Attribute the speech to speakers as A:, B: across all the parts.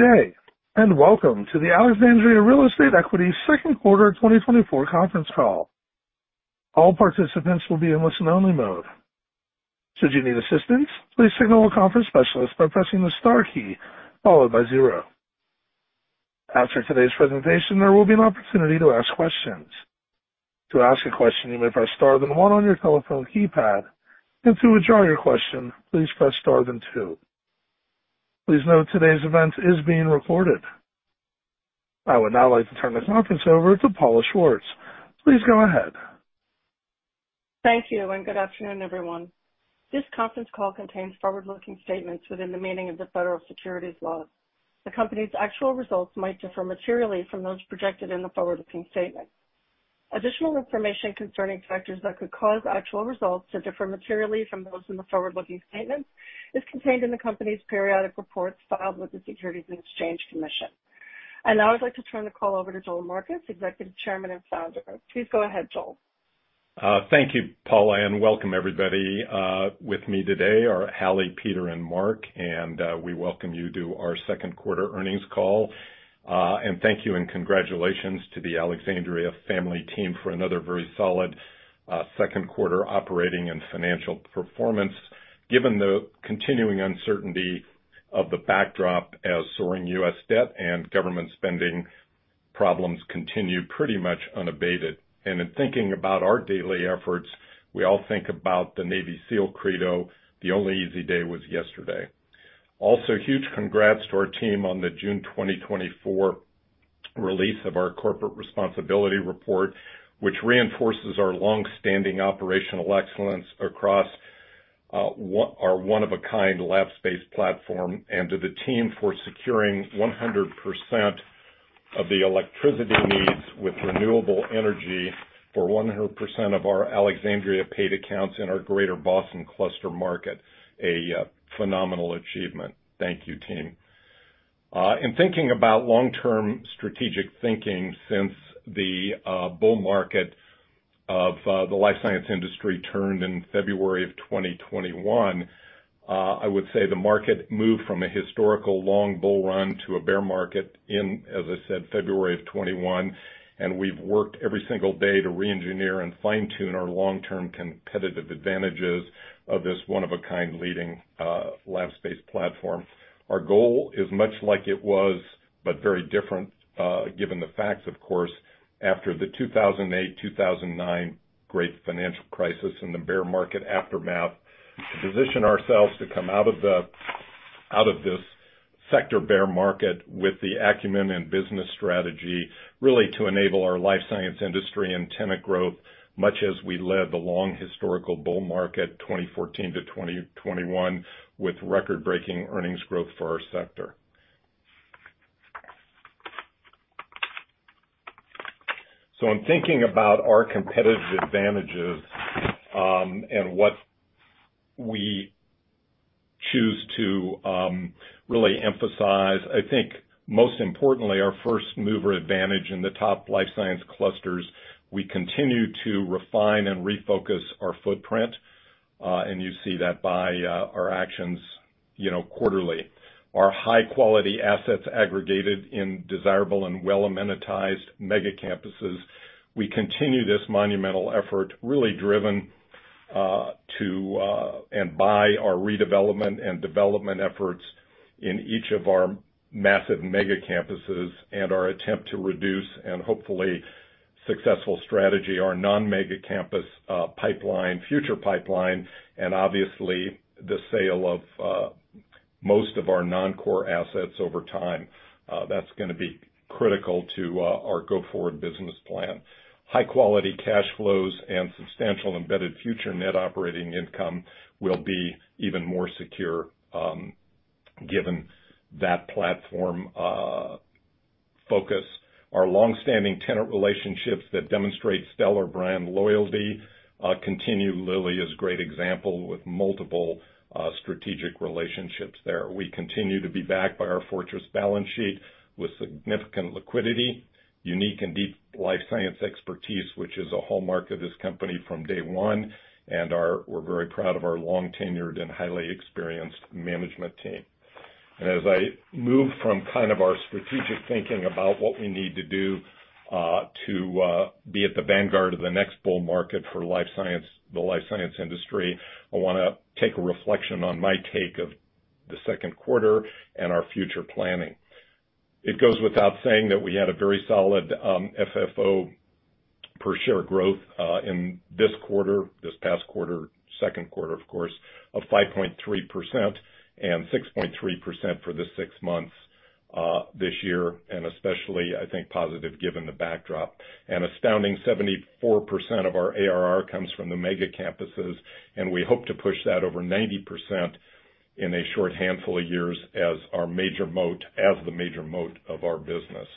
A: Good day, and welcome to the Alexandria Real Estate Equities second quarter 2024 conference call. All participants will be in listen-only mode. Should you need assistance, please signal a conference specialist by pressing the star key followed by zero. After today's presentation, there will be an opportunity to ask questions. To ask a question, you may press star then one on your telephone keypad, and to withdraw your question, please press star then two. Please note today's event is being recorded. I would now like to turn the conference over to Paula Schwartz. Please go ahead.
B: Thank you, and good afternoon, everyone. This conference call contains forward-looking statements within the meaning of the federal securities laws. The company's actual results might differ materially from those projected in the forward-looking statements. Additional information concerning factors that could cause actual results to differ materially from those in the forward-looking statements is contained in the company's periodic reports filed with the Securities and Exchange Commission. Now I'd like to turn the call over to Joel Marcus, Executive Chairman and Founder. Please go ahead, Joel.
C: Thank you, Paula, and welcome everybody. With me today are Hallie, Peter, and Marc, and we welcome you to our second quarter earnings call. And thank you and congratulations to the Alexandria family team for another very solid second quarter operating and financial performance, given the continuing uncertainty of the backdrop as soaring U.S. debt and government spending problems continue pretty much unabated. In thinking about our daily efforts, we all think about the Navy SEAL credo, "The only easy day was yesterday." Also, huge congrats to our team on the June 2024 release of our corporate responsibility report, which reinforces our long-standing operational excellence across our one-of-a-kind lab space platform, and to the team for securing 100% of the electricity needs with renewable energy for 100% of our Alexandria paid accounts in our greater Boston cluster market, a phenomenal achievement. Thank you, team. In thinking about long-term strategic thinking since the bull market of the life science industry turned in February of 2021, I would say the market moved from a historical long bull run to a bear market in, as I said, February of 2021, and we've worked every single day to reengineer and fine-tune our long-term competitive advantages of this one-of-a-kind leading lab space platform. Our goal is much like it was, but very different, given the facts, of course, after the 2008, 2009 great financial crisis and the bear market aftermath, to position ourselves to come out of this sector bear market with the acumen and business strategy, really, to enable our life science industry and tenant growth, much as we led the long historical bull market, 2014 to 2021, with record-breaking earnings growth for our sector. So in thinking about our competitive advantages, and what we choose to, really emphasize, I think most importantly, our first mover advantage in the top life science clusters, we continue to refine and refocus our footprint, and you see that by, our actions, you know, quarterly. Our high-quality assets aggregated in desirable and well-amenitized mega campuses. We continue this monumental effort, really driven, to, and by our redevelopment and development efforts in each of our massive mega campuses and our attempt to reduce and hopefully successful strategy, our non-mega campus, pipeline, future pipeline, and obviously, the sale of, most of our non-core assets over time. That's gonna be critical to, our go-forward business plan. High-quality cash flows and substantial embedded future net operating income will be even more secure, given that platform, focus. Our long-standing tenant relationships that demonstrate stellar brand loyalty continue. Lilly is a great example with multiple strategic relationships there. We continue to be backed by our fortress balance sheet with significant liquidity, unique and deep life science expertise, which is a hallmark of this company from day one, and we're very proud of our long-tenured and highly experienced management team. As I move from kind of our strategic thinking about what we need to do to be at the vanguard of the next bull market for life science, the life science industry, I wanna take a reflection on my take of the second quarter and our future planning. It goes without saying that we had a very solid FFO per share growth in this quarter, this past quarter, second quarter, of course, of 5.3% and 6.3% for the six months this year, and especially, I think, positive given the backdrop. An astounding 74% of our ARR comes from the mega campuses, and we hope to push that over 90% in a short handful of years as our major moat, as the major moat of our business.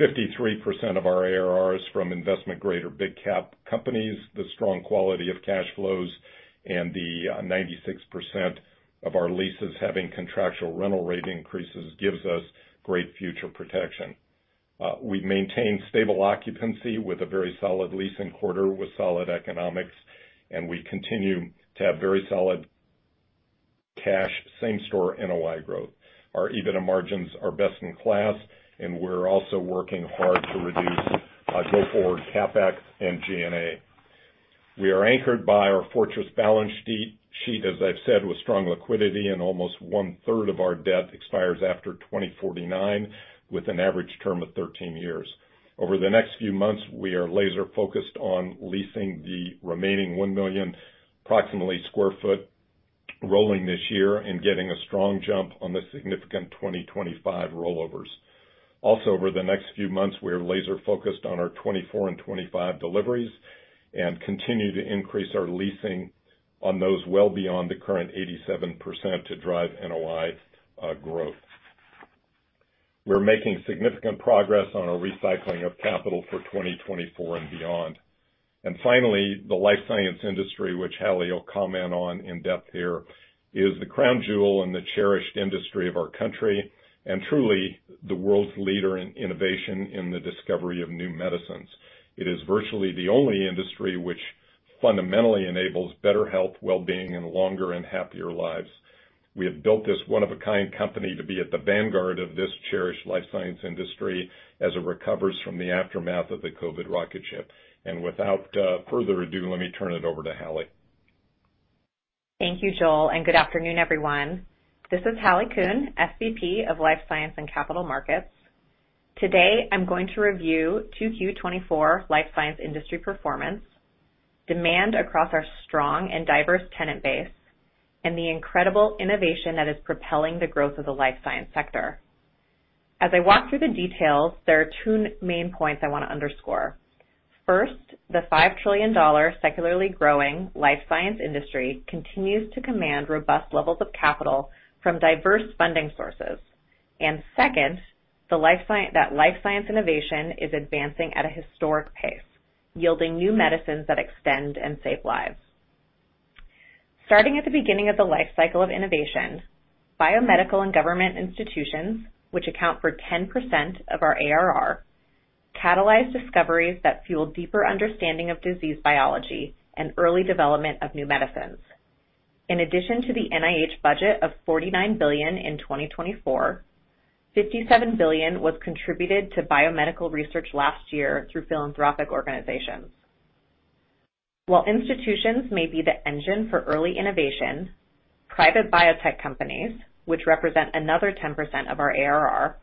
C: 53% of our ARR is from investment grade or big cap companies. The strong quality of cash flows and the 96% of our leases having contractual rental rate increases gives us great future protection. We've maintained stable occupancy with a very solid leasing quarter with solid economics, and we continue to have very solid cash, same-store NOI growth. Our EBITDA margins are best in class, and we're also working hard to reduce go-forward CapEx and G&A. We are anchored by our fortress balance sheet, as I've said, with strong liquidity, and almost one-third of our debt expires after 2049, with an average term of 13 years. Over the next few months, we are laser focused on leasing the remaining approximately 1 million sq ft rolling this year and getting a strong jump on the significant 2025 rollovers. Also, over the next few months, we are laser focused on our 2024 and 2025 deliveries, and continue to increase our leasing on those well beyond the current 87% to drive NOI growth. We're making significant progress on our recycling of capital for 2024 and beyond. And finally, the life science industry, which Hallie will comment on in depth here, is the crown jewel and the cherished industry of our country, and truly, the world's leader in innovation in the discovery of new medicines. It is virtually the only industry which fundamentally enables better health, wellbeing, and longer and happier lives. We have built this one-of-a-kind company to be at the vanguard of this cherished life science industry as it recovers from the aftermath of the COVID rocket ship. And without further ado, let me turn it over to Hallie.
D: Thank you, Joel, and good afternoon, everyone. This is Hallie Kuhn, SVP of Life Science and Capital Markets. Today, I'm going to review 2Q 2024 life science industry performance, demand across our strong and diverse tenant base, and the incredible innovation that is propelling the growth of the life science sector. As I walk through the details, there are two main points I want to underscore. First, the $5 trillion secularly growing life science industry continues to command robust levels of capital from diverse funding sources. And second, the life science innovation is advancing at a historic pace, yielding new medicines that extend and save lives. Starting at the beginning of the life cycle of innovation, biomedical and government institutions, which account for 10% of our ARR, catalyze discoveries that fuel deeper understanding of disease biology and early development of new medicines. In addition to the NIH budget of $49 billion in 2024, $57 billion was contributed to biomedical research last year through philanthropic organizations. While institutions may be the engine for early innovation, private biotech companies, which represent another 10% of our ARR,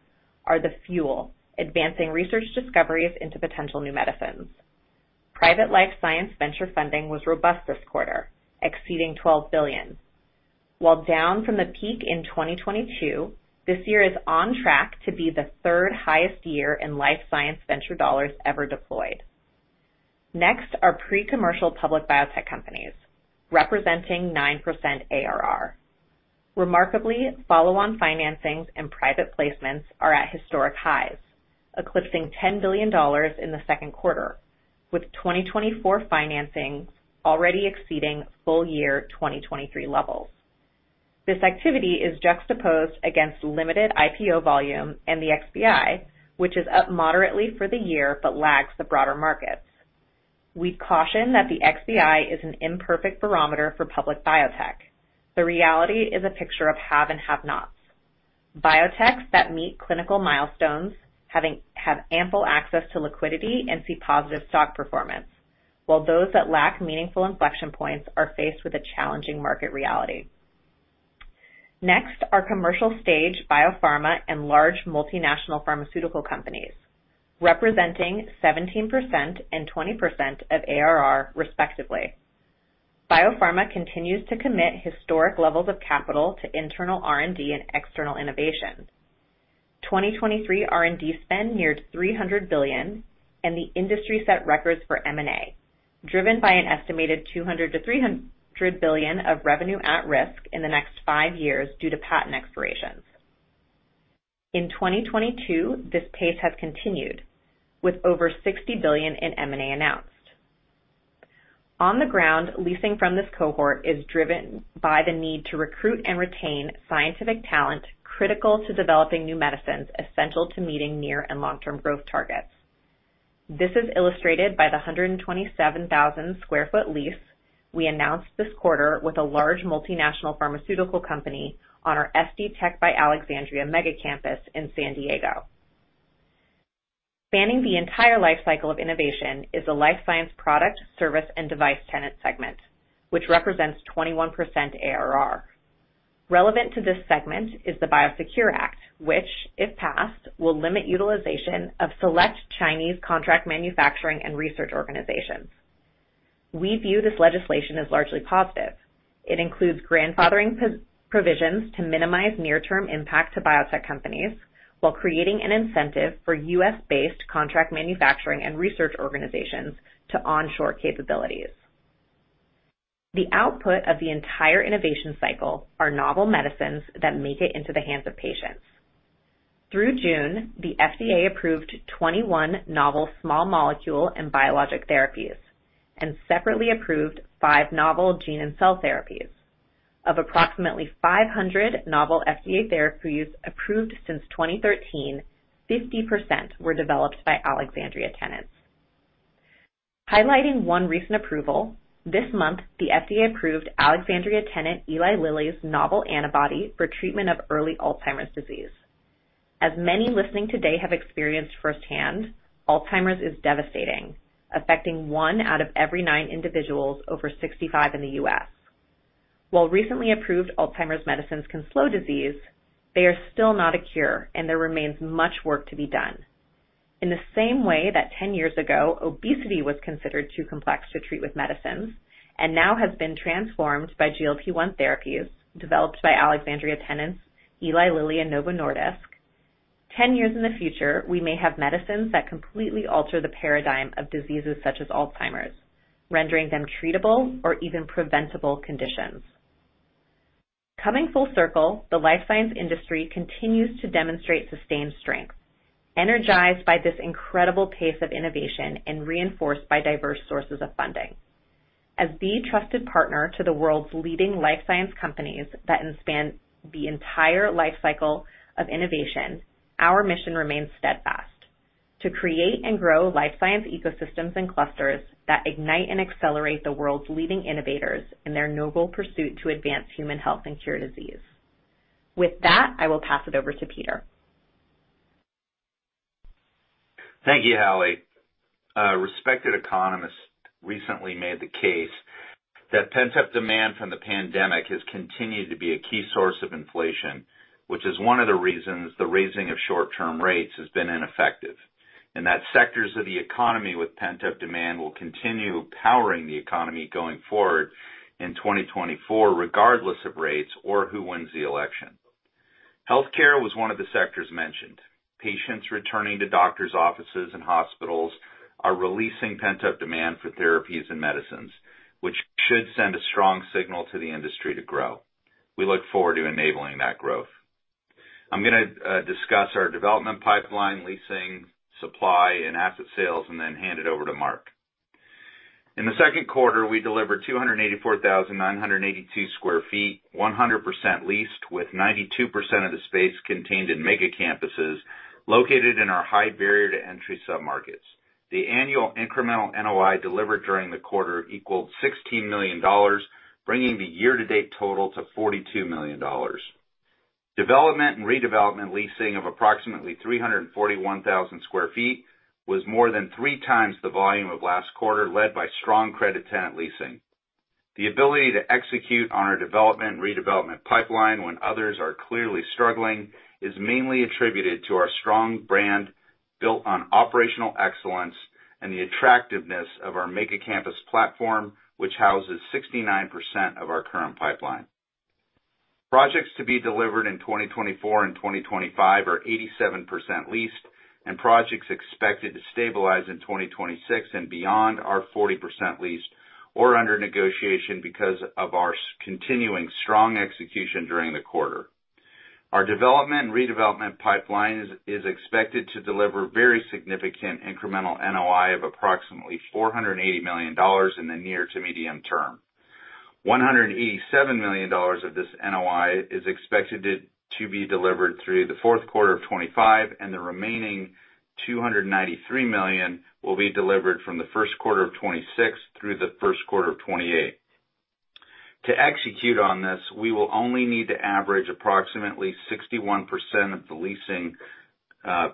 D: are the fuel, advancing research discoveries into potential new medicines. Private life science venture funding was robust this quarter, exceeding $12 billion. While down from the peak in 2022, this year is on track to be the third highest year in life science venture dollars ever deployed. Next are pre-commercial public biotech companies, representing 9% ARR. Remarkably, follow-on financings and private placements are at historic highs, eclipsing $10 billion in the second quarter, with 2024 financing already exceeding full year 2023 levels. This activity is juxtaposed against limited IPO volume and the XBI, which is up moderately for the year, but lags the broader markets. We caution that the XBI is an imperfect barometer for public biotech. The reality is a picture of have and have-nots. Biotechs that meet clinical milestones have ample access to liquidity and see positive stock performance, while those that lack meaningful inflection points are faced with a challenging market reality. Next, are commercial stage biopharma and large multinational pharmaceutical companies, representing 17% and 20% of ARR, respectively. Biopharma continues to commit historic levels of capital to internal R&D and external innovation. 2023 R&D spend neared $300 billion, and the industry set records for M&A, driven by an estimated $200 billion-$300 billion of revenue at risk in the next five years due to patent expirations. In 2022, this pace has continued, with over $60 billion in M&A announced. On the ground, leasing from this cohort is driven by the need to recruit and retain scientific talent, critical to developing new medicines, essential to meeting near and long-term growth targets. This is illustrated by the 127,000 sq ft lease we announced this quarter with a large multinational pharmaceutical company on our SD Tech by Alexandria mega campus in San Diego. Spanning the entire life cycle of innovation is the life science product, service, and device tenant segment, which represents 21% ARR. Relevant to this segment is the BioSecure Act, which, if passed, will limit utilization of select Chinese contract manufacturing and research organizations. We view this legislation as largely positive. It includes grandfathering provisions to minimize near-term impact to biotech companies, while creating an incentive for U.S.-based contract manufacturing and research organizations to onshore capabilities. The output of the entire innovation cycle are novel medicines that make it into the hands of patients. Through June, the FDA approved 21 novel small molecule and biologic therapies, and separately approved 5 novel gene and cell therapies. Of approximately 500 novel FDA therapies approved since 2013, 50% were developed by Alexandria tenants. Highlighting one recent approval, this month, the FDA approved Alexandria tenant Eli Lilly's novel antibody for treatment of early Alzheimer's disease. As many listening today have experienced firsthand, Alzheimer's is devastating, affecting one out of every nine individuals over 65 in the U.S. While recently approved Alzheimer's medicines can slow disease, they are still not a cure, and there remains much work to be done. In the same way that 10 years ago, obesity was considered too complex to treat with medicines and now has been transformed by GLP-1 therapies developed by Alexandria tenants, Eli Lilly and Novo Nordisk. 10 years in the future, we may have medicines that completely alter the paradigm of diseases such as Alzheimer's, rendering them treatable or even preventable conditions. Coming full circle, the life science industry continues to demonstrate sustained strength, energized by this incredible pace of innovation and reinforced by diverse sources of funding. As the trusted partner to the world's leading life science companies that span the entire life cycle of innovation, our mission remains steadfast: to create and grow life science ecosystems and clusters that ignite and accelerate the world's leading innovators in their noble pursuit to advance human health and cure disease. With that, I will pass it over to Peter.
E: Thank you, Hallie. A respected economist recently made the case that pent-up demand from the pandemic has continued to be a key source of inflation, which is one of the reasons the raising of short-term rates has been ineffective, and that sectors of the economy with pent-up demand will continue powering the economy going forward in 2024, regardless of rates or who wins the election. Healthcare was one of the sectors mentioned. Patients returning to doctor's offices and hospitals are releasing pent-up demand for therapies and medicines, which should send a strong signal to the industry to grow. We look forward to enabling that growth. I'm gonna discuss our development pipeline, leasing, supply, and asset sales, and then hand it over to Mark. In the second quarter, we delivered 284,982 sq ft, 100% leased, with 92% of the space contained in mega campuses located in our high barrier to entry submarkets. The annual incremental NOI delivered during the quarter equaled $16 million, bringing the year-to-date total to $42 million. Development and redevelopment leasing of approximately 341,000 sq ft was more than 3 times the volume of last quarter, led by strong credit tenant leasing. The ability to execute on our development and redevelopment pipeline when others are clearly struggling, is mainly attributed to our strong brand built on operational excellence and the attractiveness of our mega campus platform, which houses 69% of our current pipeline. Projects to be delivered in 2024 and 2025 are 87% leased, and projects expected to stabilize in 2026 and beyond are 40% leased or under negotiation because of our continuing strong execution during the quarter. Our development and redevelopment pipeline is expected to deliver very significant incremental NOI of approximately $480 million in the near to medium term. $187 million of this NOI is expected to be delivered through the fourth quarter of 2025, and the remaining $293 million will be delivered from the first quarter of 2026 through the first quarter of 2028. To execute on this, we will only need to average approximately 61% of the leasing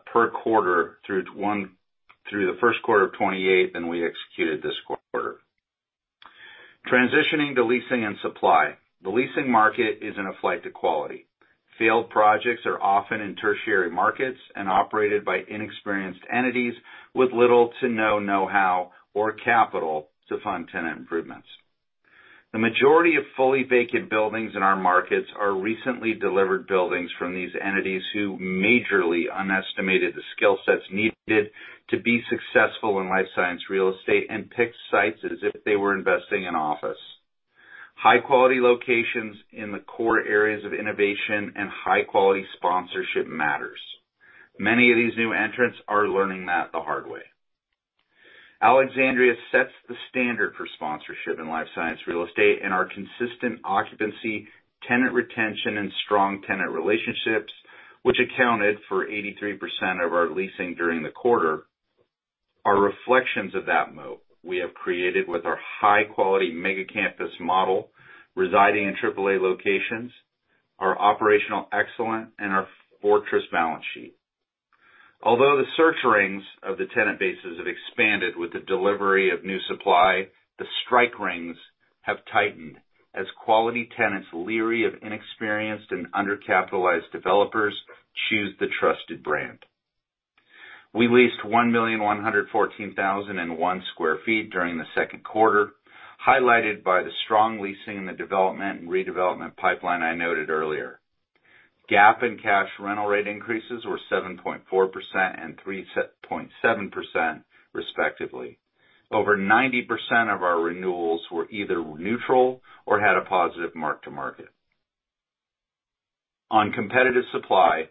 E: per quarter through the first quarter of 2028 than we executed this quarter. Transitioning to leasing and supply. The leasing market is in a flight to quality. Failed projects are often in tertiary markets and operated by inexperienced entities with little to no know-how or capital to fund tenant improvements. The majority of fully vacant buildings in our markets are recently delivered buildings from these entities, who majorly underestimated the skill sets needed to be successful in life science real estate and picked sites as if they were investing in office. High quality locations in the core areas of innovation and high quality sponsorship matters. Many of these new entrants are learning that the hard way. Alexandria sets the standard for sponsorship in life science real estate, and our consistent occupancy, tenant retention, and strong tenant relationships, which accounted for 83% of our leasing during the quarter, are reflections of that moat we have created with our high quality mega campus model residing in triple-A locations, our operational excellence, and our fortress balance sheet. Although the search rings of the tenant bases have expanded with the delivery of new supply, the strike rings have tightened as quality tenants, leery of inexperienced and undercapitalized developers, choose the trusted brand. We leased 1,114,001 sq ft during the second quarter, highlighted by the strong leasing in the development and redevelopment pipeline I noted earlier. GAAP and cash rental rate increases were 7.4% and 3.7%, respectively. Over 90% of our renewals were either neutral or had a positive mark-to-market. On competitive supply,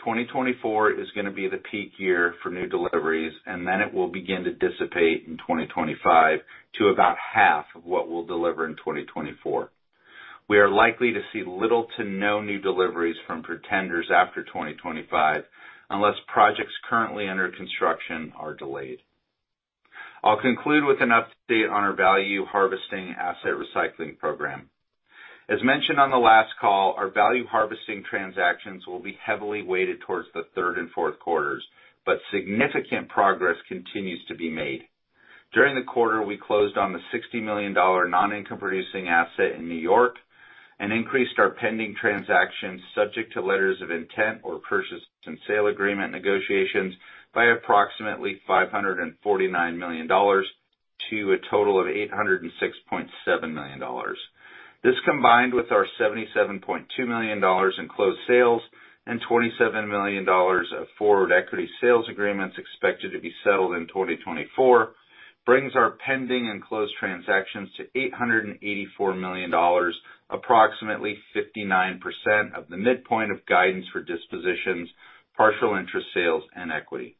E: 2024 is going to be the peak year for new deliveries, and then it will begin to dissipate in 2025 to about half of what we'll deliver in 2024. We are likely to see little to no new deliveries from pretenders after 2025, unless projects currently under construction are delayed. I'll conclude with an update on our value harvesting asset recycling program. As mentioned on the last call, our value harvesting transactions will be heavily weighted towards the third and fourth quarters, but significant progress continues to be made. During the quarter, we closed on the $60 million non-income producing asset in New York and increased our pending transactions subject to letters of intent or purchase and sale agreement negotiations by approximately $549 million to a total of $806.7 million. This, combined with our $77.2 million in closed sales and $27 million of forward equity sales agreements expected to be settled in 2024, brings our pending and closed transactions to $884 million, approximately 59% of the midpoint of guidance for dispositions, partial interest sales, and equity.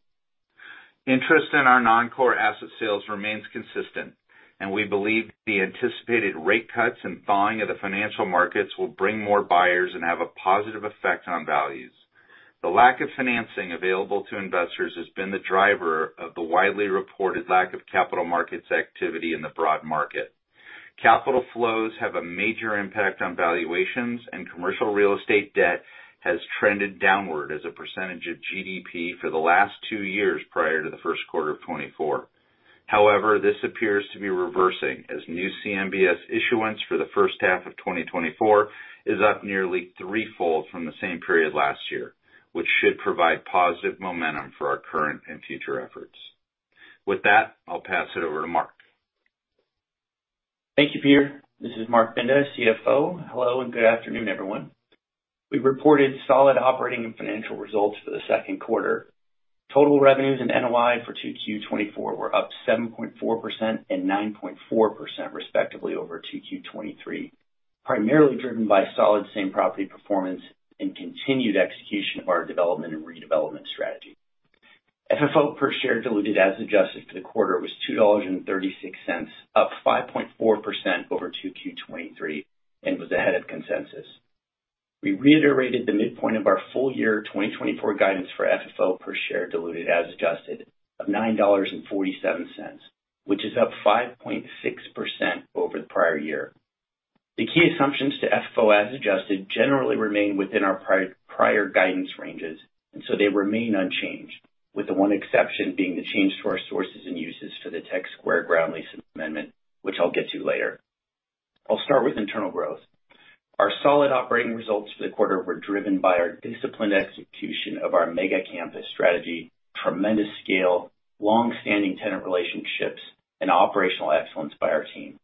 E: Interest in our non-core asset sales remains consistent, and we believe the anticipated rate cuts and thawing of the financial markets will bring more buyers and have a positive effect on values. The lack of financing available to investors has been the driver of the widely reported lack of capital markets activity in the broad market. Capital flows have a major impact on valuations, and commercial real estate debt has trended downward as a percentage of GDP for the last two years prior to the first quarter of 2024. However, this appears to be reversing as new CMBS issuance for the first half of 2024 is up nearly threefold from the same period last year, which should provide positive momentum for our current and future efforts. With that, I'll pass it over to Marc.
F: Thank you, Peter. This is Marc Binda, CFO. Hello, and good afternoon, everyone. We've reported solid operating and financial results for the second quarter. Total revenues and NOI for 2Q 2024 were up 7.4% and 9.4%, respectively, over 2Q 2023, primarily driven by solid same property performance and continued execution of our development and redevelopment strategy. FFO per share diluted as adjusted for the quarter was $2.36, up 5.4% over 2Q 2023, and was ahead of consensus. We reiterated the midpoint of our full year 2024 guidance for FFO per share, diluted as adjusted, of $9.47, which is up 5.6% over the prior year. The key assumptions to FFO, as adjusted, generally remain within our prior guidance ranges, and so they remain unchanged, with the one exception being the change to our sources and uses for the Tech Square ground lease amendment, which I'll get to later. I'll start with internal growth. Our solid operating results for the quarter were driven by our disciplined execution of our mega campus strategy, tremendous scale, long-standing tenant relationships, and operational excellence by our team.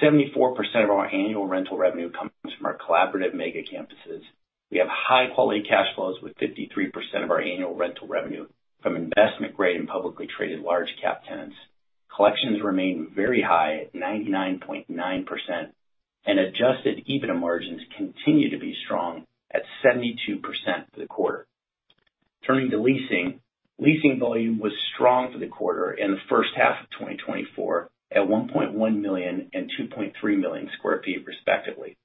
F: 74% of our annual rental revenue comes from our collaborative mega campuses. We have high-quality cash flows, with 53% of our annual rental revenue from investment grade and publicly traded large cap tenants. Collections remain very high at 99.9%, and adjusted EBITDA margins continue to be strong at 72% for the quarter. Turning to leasing. Leasing volume was strong for the quarter in the first half of 2024 at 1.1 million and 2.3 million sq ft, respectively.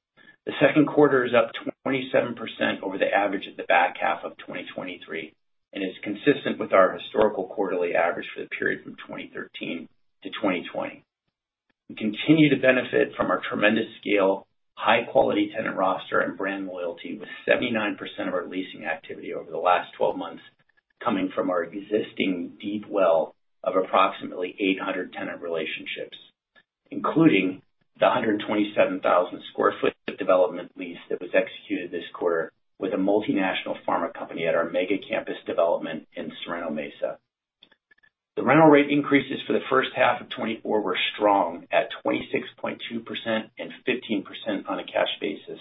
F: The second quarter is up 27% over the average of the back half of 2023 and is consistent with our historical quarterly average for the period from 2013 to 2020. We continue to benefit from our tremendous scale, high-quality tenant roster, and brand loyalty, with 79% of our leasing activity over the last 12 months coming from our existing deep well of approximately 800 tenant relationships, including the 127,000 sq ft development lease that was executed this quarter with a multinational pharma company at our mega campus development in Sorrento Mesa. The rental rate increases for the first half of 2024 were strong, at 26.2% and 15% on a cash basis,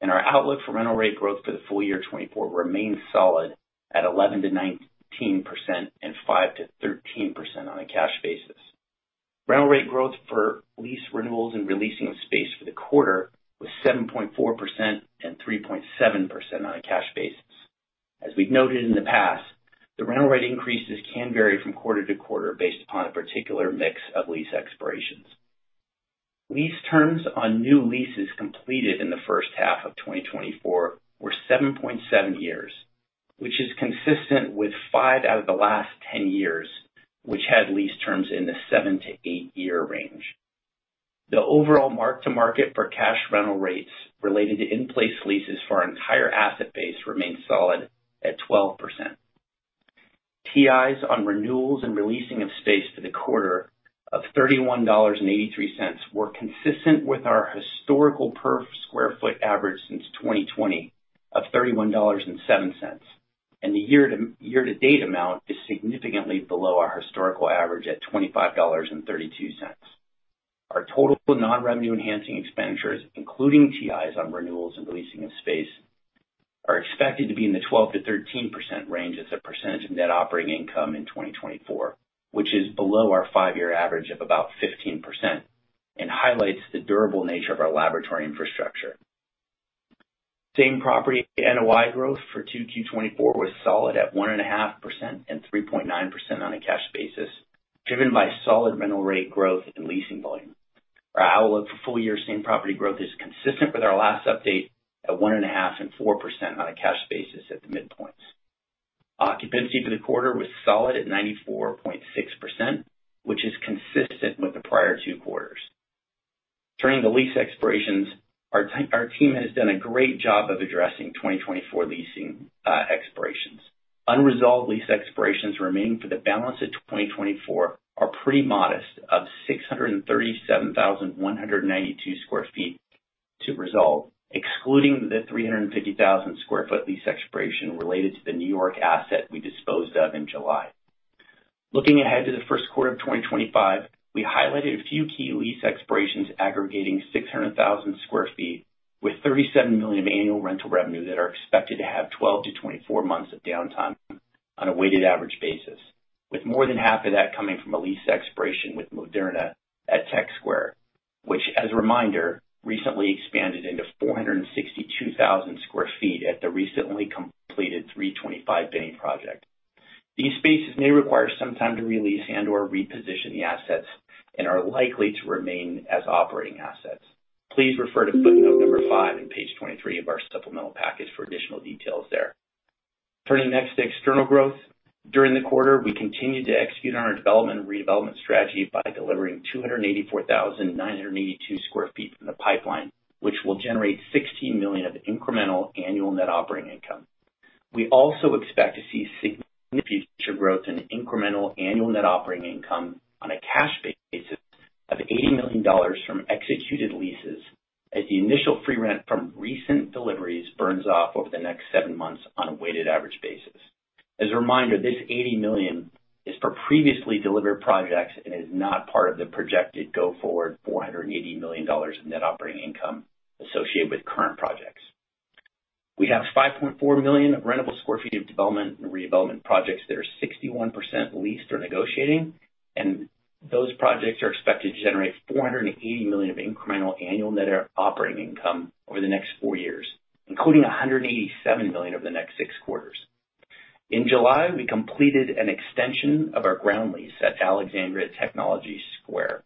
F: and our outlook for rental rate growth for the full year 2024 remains solid at 11%-19% and 5%-13% on a cash basis. Rental rate growth for lease renewals and releasing of space for the quarter was 7.4% and 3.7% on a cash basis. As we've noted in the past, the rental rate increases can vary from quarter to quarter based upon a particular mix of lease expirations. Lease terms on new leases completed in the first half of 2024 were 7.7 years, which is consistent with 5 out of the last 10 years, which had lease terms in the 7- to 8-year range. The overall mark-to-market for cash rental rates related to in-place leases for our entire asset base remains solid at 12%. TIs on renewals and releasing of space for the quarter of $31.83 were consistent with our historical per sq ft average since 2020 of $31.07, and the year-to-date amount is significantly below our historical average at $25.32. Our total non-revenue enhancing expenditures, including TIs on renewals and releasing of space, are expected to be in the 12%-13% range as a percentage of net operating income in 2024, which is below our five-year average of about 15%... and highlights the durable nature of our laboratory infrastructure. Same property NOI growth for 2Q 2024 was solid at 1.5% and 3.9% on a cash basis, driven by solid rental rate growth and leasing volume. Our outlook for full year same property growth is consistent with our last update at 1.5% and 4% on a cash basis at the midpoints. Occupancy for the quarter was solid at 94.6%, which is consistent with the prior two quarters. Turning to lease expirations, our team has done a great job of addressing 2024 leasing expirations. Unresolved lease expirations remaining for the balance of 2024 are pretty modest, of 637,192 sq ft to resolve, excluding the 350,000 sq ft lease expiration related to the New York asset we disposed of in July. Looking ahead to the first quarter of 2025, we highlighted a few key lease expirations aggregating 600,000 sq ft with $37 million of annual rental revenue that are expected to have 12-24 months of downtime on a weighted average basis, with more than half of that coming from a lease expiration with Moderna at Tech Square, which, as a reminder, recently expanded into 462,000 sq ft at the recently completed 325 Binney project. These spaces may require some time to re-lease and/or reposition the assets and are likely to remain as operating assets. Please refer to footnote number 5 in page 23 of our supplemental package for additional details there. Turning next to external growth. During the quarter, we continued to execute on our development and redevelopment strategy by delivering 284,982 sq ft from the pipeline, which will generate $16 million of incremental annual net operating income. We also expect to see significant future growth in incremental annual net operating income on a cash basis of $80 million from executed leases, as the initial free rent from recent deliveries burns off over the next 7 months on a weighted average basis. As a reminder, this $80 million is for previously delivered projects and is not part of the projected go forward $480 million in net operating income associated with current projects. We have 5.4 million of rentable sq ft of development and redevelopment projects that are 61% leased or negotiating, and those projects are expected to generate $480 million of incremental annual net operating income over the next four years, including $187 million over the next six quarters. In July, we completed an extension of our ground lease at Alexandria Technology Square.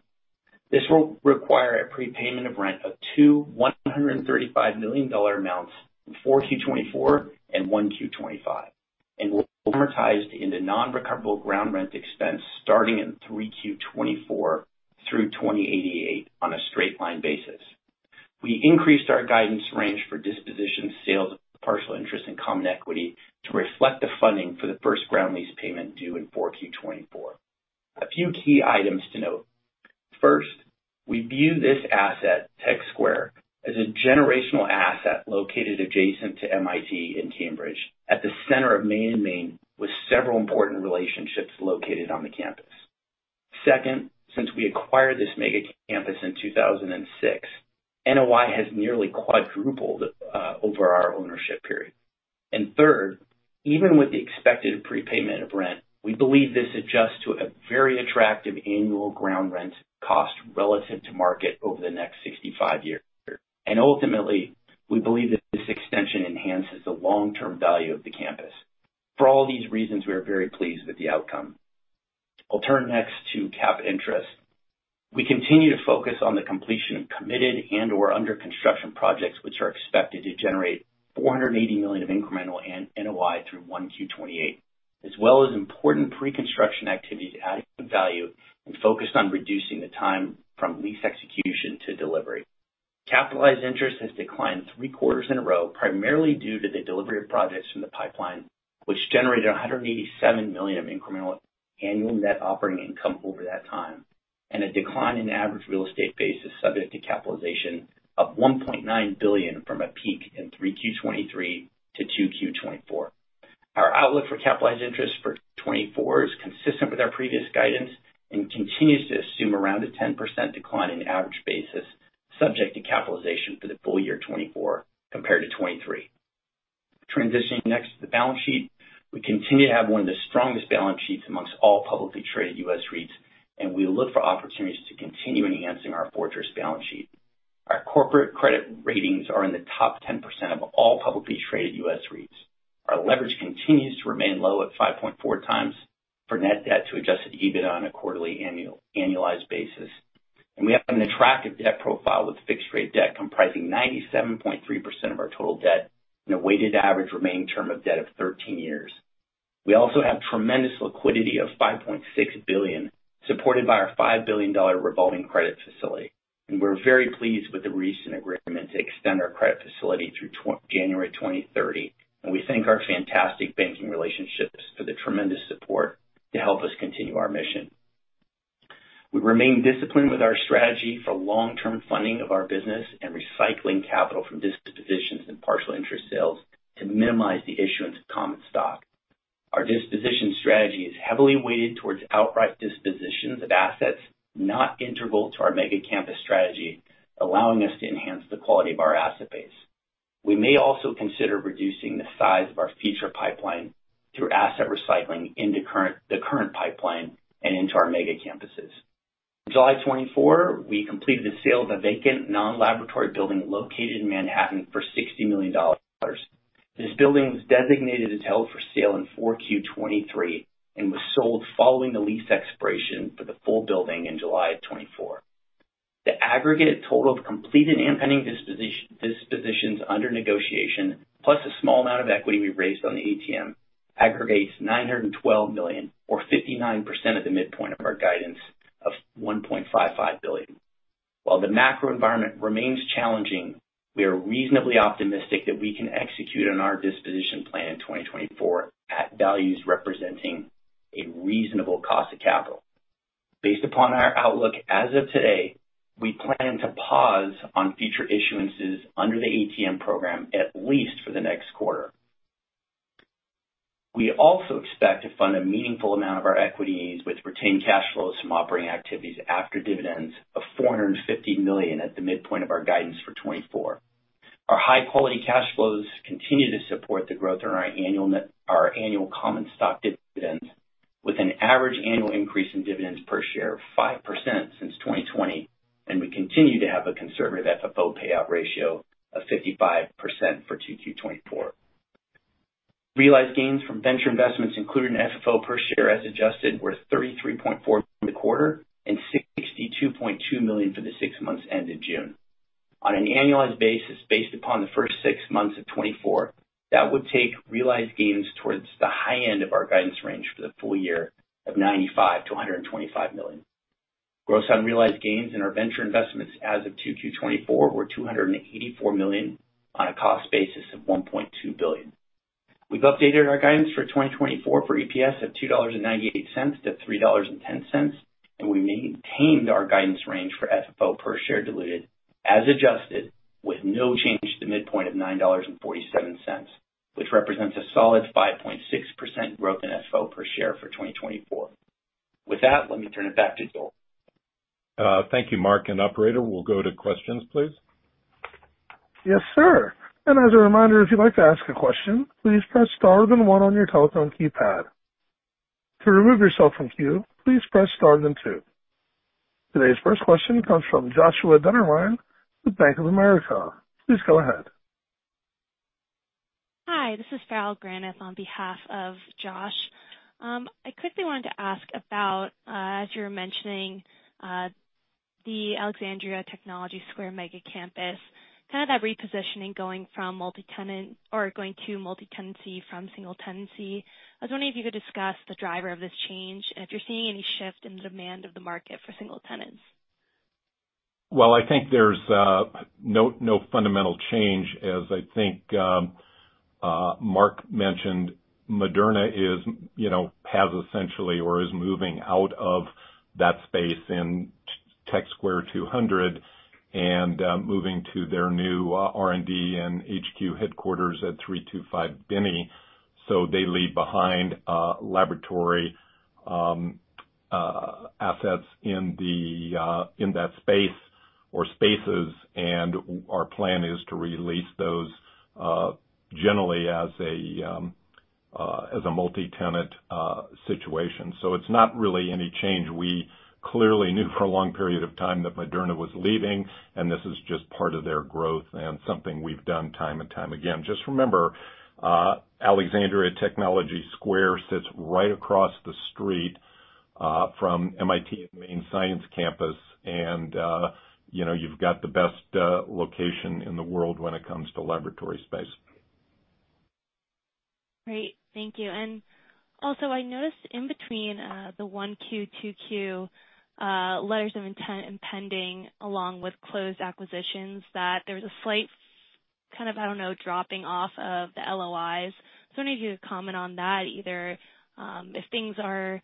F: This will require a prepayment of rent of two $135 million amounts in 4Q 2024 and 1Q 2025, and will be amortized into non-recoverable ground rent expense starting in 3Q 2024 through 2088 on a straight line basis. We increased our guidance range for disposition, sales, partial interest in common equity to reflect the funding for the first ground lease payment due in Q4 2024. A few key items to note. First, we view this asset, Tech Square, as a generational asset located adjacent to MIT in Cambridge, at the center of Main and Main, with several important relationships located on the campus. Second, since we acquired this mega campus in 2006, NOI has nearly quadrupled over our ownership period. And third, even with the expected prepayment of rent, we believe this adjusts to a very attractive annual ground rent cost relative to market over the next 65 years. And ultimately, we believe that this extension enhances the long-term value of the campus. For all these reasons, we are very pleased with the outcome. I'll turn next to capitalized interest. We continue to focus on the completion of committed and/or under construction projects, which are expected to generate $480 million of incremental NOI through 1Q 2028, as well as important preconstruction activity to add value and focus on reducing the time from lease execution to delivery. Capitalized interest has declined 3 quarters in a row, primarily due to the delivery of projects from the pipeline, which generated $187 million of incremental annual net operating income over that time, and a decline in average real estate bases subject to capitalization of $1.9 billion from a peak in 3Q 2023 to 2Q 2024. Our outlook for capitalized interest for 2024 is consistent with our previous guidance and continues to assume around a 10% decline in average basis, subject to capitalization for the full year 2024 compared to 2023. Transitioning next to the balance sheet. We continue to have one of the strongest balance sheets among all publicly traded U.S. REITs, and we look for opportunities to continue enhancing our fortress balance sheet. Our corporate credit ratings are in the top 10% of all publicly traded U.S. REITs. Our leverage continues to remain low at 5.4 times for net debt to adjusted EBITDA on a quarterly annualized basis. And we have an attractive debt profile with fixed-rate debt comprising 97.3% of our total debt, and a weighted average remaining term of debt of 13 years. We also have tremendous liquidity of $5.6 billion, supported by our $5 billion revolving credit facility, and we're very pleased with the recent agreement to extend our credit facility through January 2030, and we thank our fantastic banking relationships for the tremendous support to help us continue our mission. We remain disciplined with our strategy for long-term funding of our business and recycling capital from dispositions and partial interest sales to minimize the issuance of common stock. Our disposition strategy is heavily weighted towards outright dispositions of assets, not integral to our mega campus strategy, allowing us to enhance the quality of our asset base. We may also consider reducing the size of our future pipeline through asset recycling into current, the current pipeline and into our mega campuses. July 2024, we completed the sale of a vacant non-laboratory building located in Manhattan for $60 million. This building was designated as held for sale in 4Q 2023, and was sold following the lease expiration for the full building in July 2024. The aggregate total of completed and pending dispositions under negotiation, plus a small amount of equity we raised on the ATM, aggregates $912 million, or 59% of the midpoint of our guidance of $1.55 billion. While the macro environment remains challenging, we are reasonably optimistic that we can execute on our disposition plan in 2024, at values representing a reasonable cost of capital. Based upon our outlook, as of today, we plan to pause on future issuances under the ATM program at least for the next quarter. We also expect to fund a meaningful amount of our equity needs with retained cash flows from operating activities after dividends of $450 million at the midpoint of our guidance for 2024. Our high-quality cash flows continue to support the growth in our annual common stock dividends, with an average annual increase in dividends per share of 5% since 2020, and we continue to have a conservative FFO payout ratio of 55% for 2Q 2024. Realized gains from venture investments included in FFO per share as adjusted were 33.4 for the quarter and $62.2 million for the six months ended June. On an annualized basis, based upon the first six months of 2024, that would take realized gains towards the high end of our guidance range for the full year of $95 million-$125 million. Gross unrealized gains in our venture investments as of 2Q 2024 were $284 million on a cost basis of $1.2 billion. We've updated our guidance for 2024 for EPS of $2.98-$3.10, and we maintained our guidance range for FFO per share diluted, as adjusted, with no change to the midpoint of $9.47, which represents a solid 5.6% growth in FFO per share for 2024. With that, let me turn it back to Joel.
C: Thank you, Mark and operator. We'll go to questions, please.
A: Yes, sir. And as a reminder, if you'd like to ask a question, please press star then one on your telephone keypad. To remove yourself from queue, please press star then two. Today's first question comes from Joshua Dennerlein with Bank of America. Please go ahead.
G: Hi, this is Farrell Granath on behalf of Josh. I quickly wanted to ask about, as you were mentioning, the Alexandria Technology Square mega campus, kind of that repositioning going from multi-tenant or going to multi-tenancy from single tenancy. I was wondering if you could discuss the driver of this change and if you're seeing any shift in the demand of the market for single tenants.
C: Well, I think there's no fundamental change. As I think Mark mentioned, Moderna is, you know, has essentially or is moving out of that space in Tech Square 200, and moving to their new R&D and HQ headquarters at 325 Binney. So they leave behind laboratory assets in the in that space or spaces, and our plan is to re-lease those, generally as a, as a multi-tenant situation. So it's not really any change. We clearly knew for a long period of time that Moderna was leaving, and this is just part of their growth and something we've done time and time again. Just remember, Alexandria Technology Square sits right across the street from MIT's main science campus, and you know, you've got the best location in the world when it comes to laboratory space.
G: Great. Thank you. And also, I noticed in between the 1Q, 2Q letters of intent and pending, along with closed acquisitions, that there's a slight kind of, I don't know, dropping off of the LOIs. So I wonder if you could comment on that either, if things are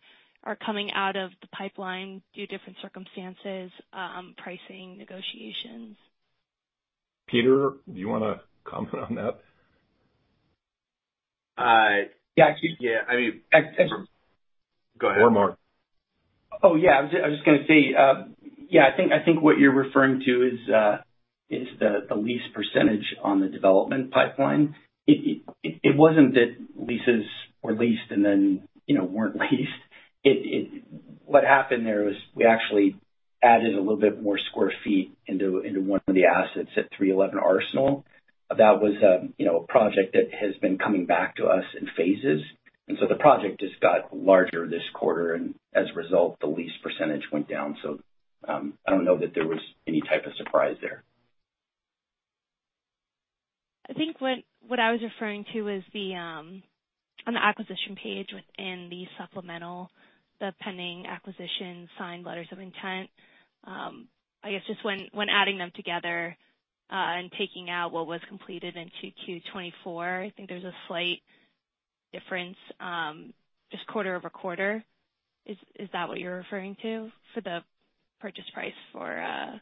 G: coming out of the pipeline due to different circumstances, pricing, negotiations.
C: Peter, do you want to comment on that? Go ahead, Marc.
F: Oh, yeah. I was just gonna say, yeah, I think what you're referring to is the lease percentage on the development pipeline. It wasn't that leases were leased and then, you know, weren't leased. It... What happened there is we actually added a little bit more square feet into one of the assets at 311 Arsenal. That was, you know, a project that has been coming back to us in phases, and so the project just got larger this quarter, and as a result, the lease percentage went down. So, I don't know that there was any type of surprise there.
G: I think what I was referring to was the on the acquisition page within the supplemental, the pending acquisition signed letters of intent. I guess just when adding them together and taking out what was completed in 2Q 2024, I think there's a slight difference just quarter over quarter. Is that what you're referring to for the purchase price for I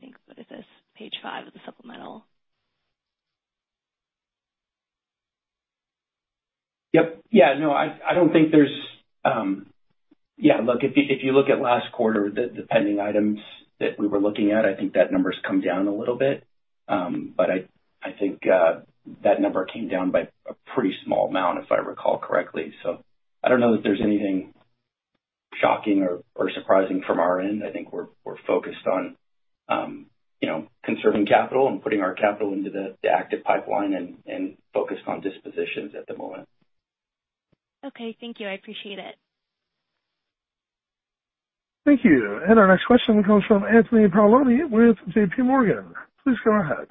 G: think what is this? Page 5 of the supplemental....
C: Yep. Yeah, no, I don't think there's— Yeah, look, if you look at last quarter, the pending items that we were looking at, I think that number's come down a little bit. But I think that number came down by a pretty small amount, if I recall correctly. So I don't know that there's anything shocking or surprising from our end. I think we're focused on, you know, conserving capital and putting our capital into the active pipeline and focused on dispositions at the moment.
G: Okay. Thank you. I appreciate it.
A: Thank you. Our next question comes from Anthony Paolone with JPMorgan. Please go ahead.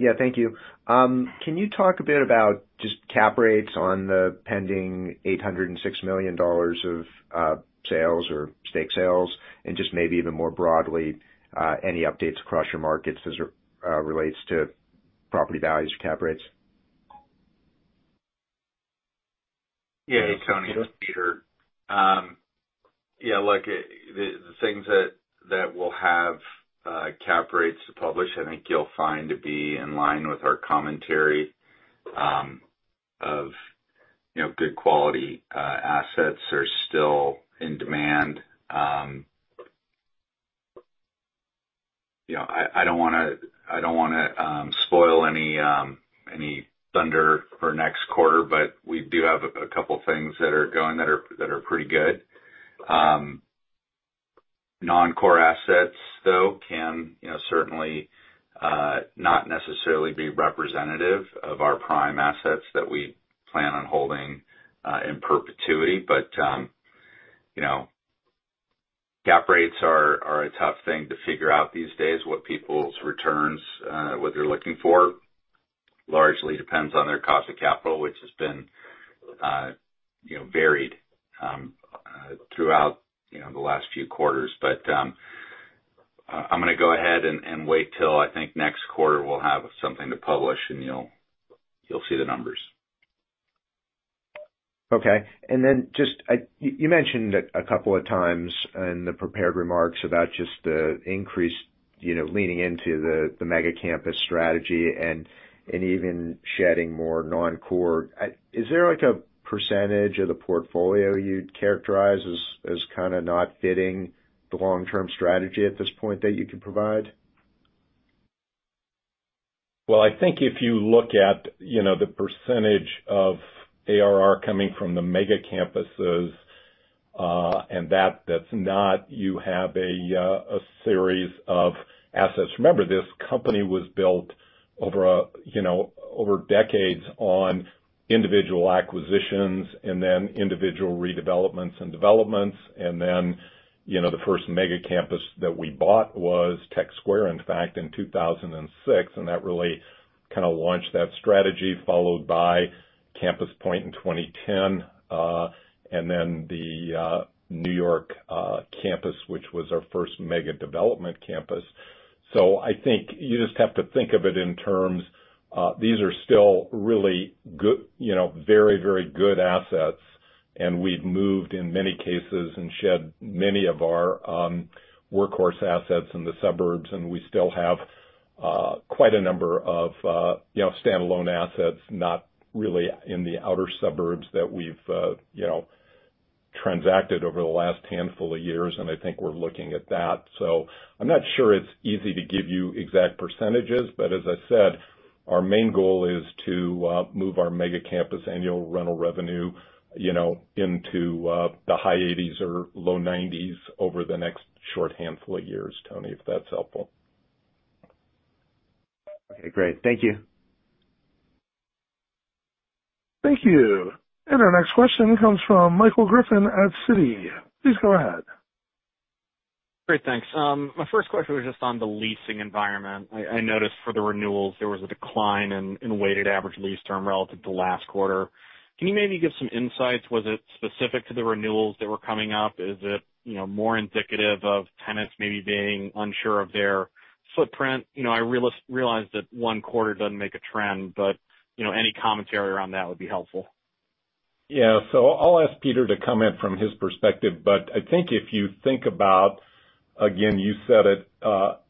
H: Yeah, thank you. Can you talk a bit about just cap rates on the pending $806 million of sales or stake sales? And just maybe even more broadly, any updates across your markets as it relates to property values or cap rates?
E: Yeah, Tony, it's Peter. Yeah, look, the things that will have cap rates to publish, I think you'll find to be in line with our commentary, you know, good quality assets are still in demand. You know, I don't wanna spoil any thunder for next quarter, but we do have a couple things that are going that are pretty good. Non-core assets, though, can, you know, certainly not necessarily be representative of our prime assets that we plan on holding in perpetuity. But, you know, cap rates are a tough thing to figure out these days. What they're looking for largely depends on their cost of capital, which has been, you know, varied throughout, you know, the last few quarters. But, I'm gonna go ahead and wait till I think next quarter we'll have something to publish, and you'll see the numbers.
H: Okay. And then just you mentioned a couple of times in the prepared remarks about just the increase, you know, leaning into the mega campus strategy and even shedding more non-core. Is there, like, a percentage of the portfolio you'd characterize as kind of not fitting the long-term strategy at this point that you could provide?
C: Well, I think if you look at, you know, the percentage of ARR coming from the mega campuses, and that's not, you have a, a series of assets. Remember, this company was built over a, you know, over decades on individual acquisitions and then individual redevelopments and developments. And then, you know, the first mega campus that we bought was Tech Square, in fact, in 2006, and that really kind of launched that strategy, followed by Campus Point in 2010, and then the, New York, campus, which was our first mega development campus. So I think you just have to think of it in terms, these are still really good, you know, very, very good assets, and we've moved in many cases and shed many of our, workhorse assets in the suburbs. We still have quite a number of, you know, standalone assets, not really in the outer suburbs, that we've, you know, transacted over the last handful of years, and I think we're looking at that. I'm not sure it's easy to give you exact percentages, but as I said, our main goal is to move our mega campus annual rental revenue, you know, into the high eighties or low nineties over the next short handful of years, Tony, if that's helpful.
H: Okay, great. Thank you.
A: Thank you. Our next question comes from Michael Griffin at Citi. Please go ahead.
I: Great, thanks. My first question was just on the leasing environment. I noticed for the renewals, there was a decline in weighted average lease term relative to last quarter. Can you maybe give some insights? Was it specific to the renewals that were coming up? Is it, you know, more indicative of tenants maybe being unsure of their footprint? You know, I realize that one quarter doesn't make a trend, but, you know, any commentary around that would be helpful.
C: Yeah. So I'll ask Peter to comment from his perspective, but I think if you think about, again, you said it,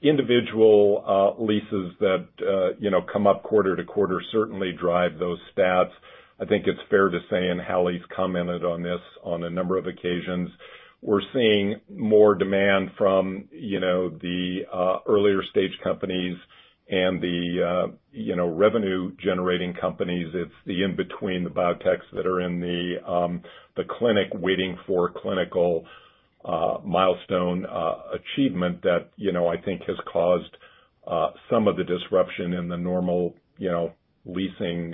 C: individual leases that, you know, come up quarter to quarter certainly drive those stats. I think it's fair to say, and Hallie's commented on this on a number of occasions, we're seeing more demand from, you know, the, earlier stage companies and the, you know, revenue-generating companies. It's the in-between, the biotechs that are in the, the clinic waiting for clinical, milestone, achievement that, you know, I think has caused, some of the disruption in the normal, you know, leasing,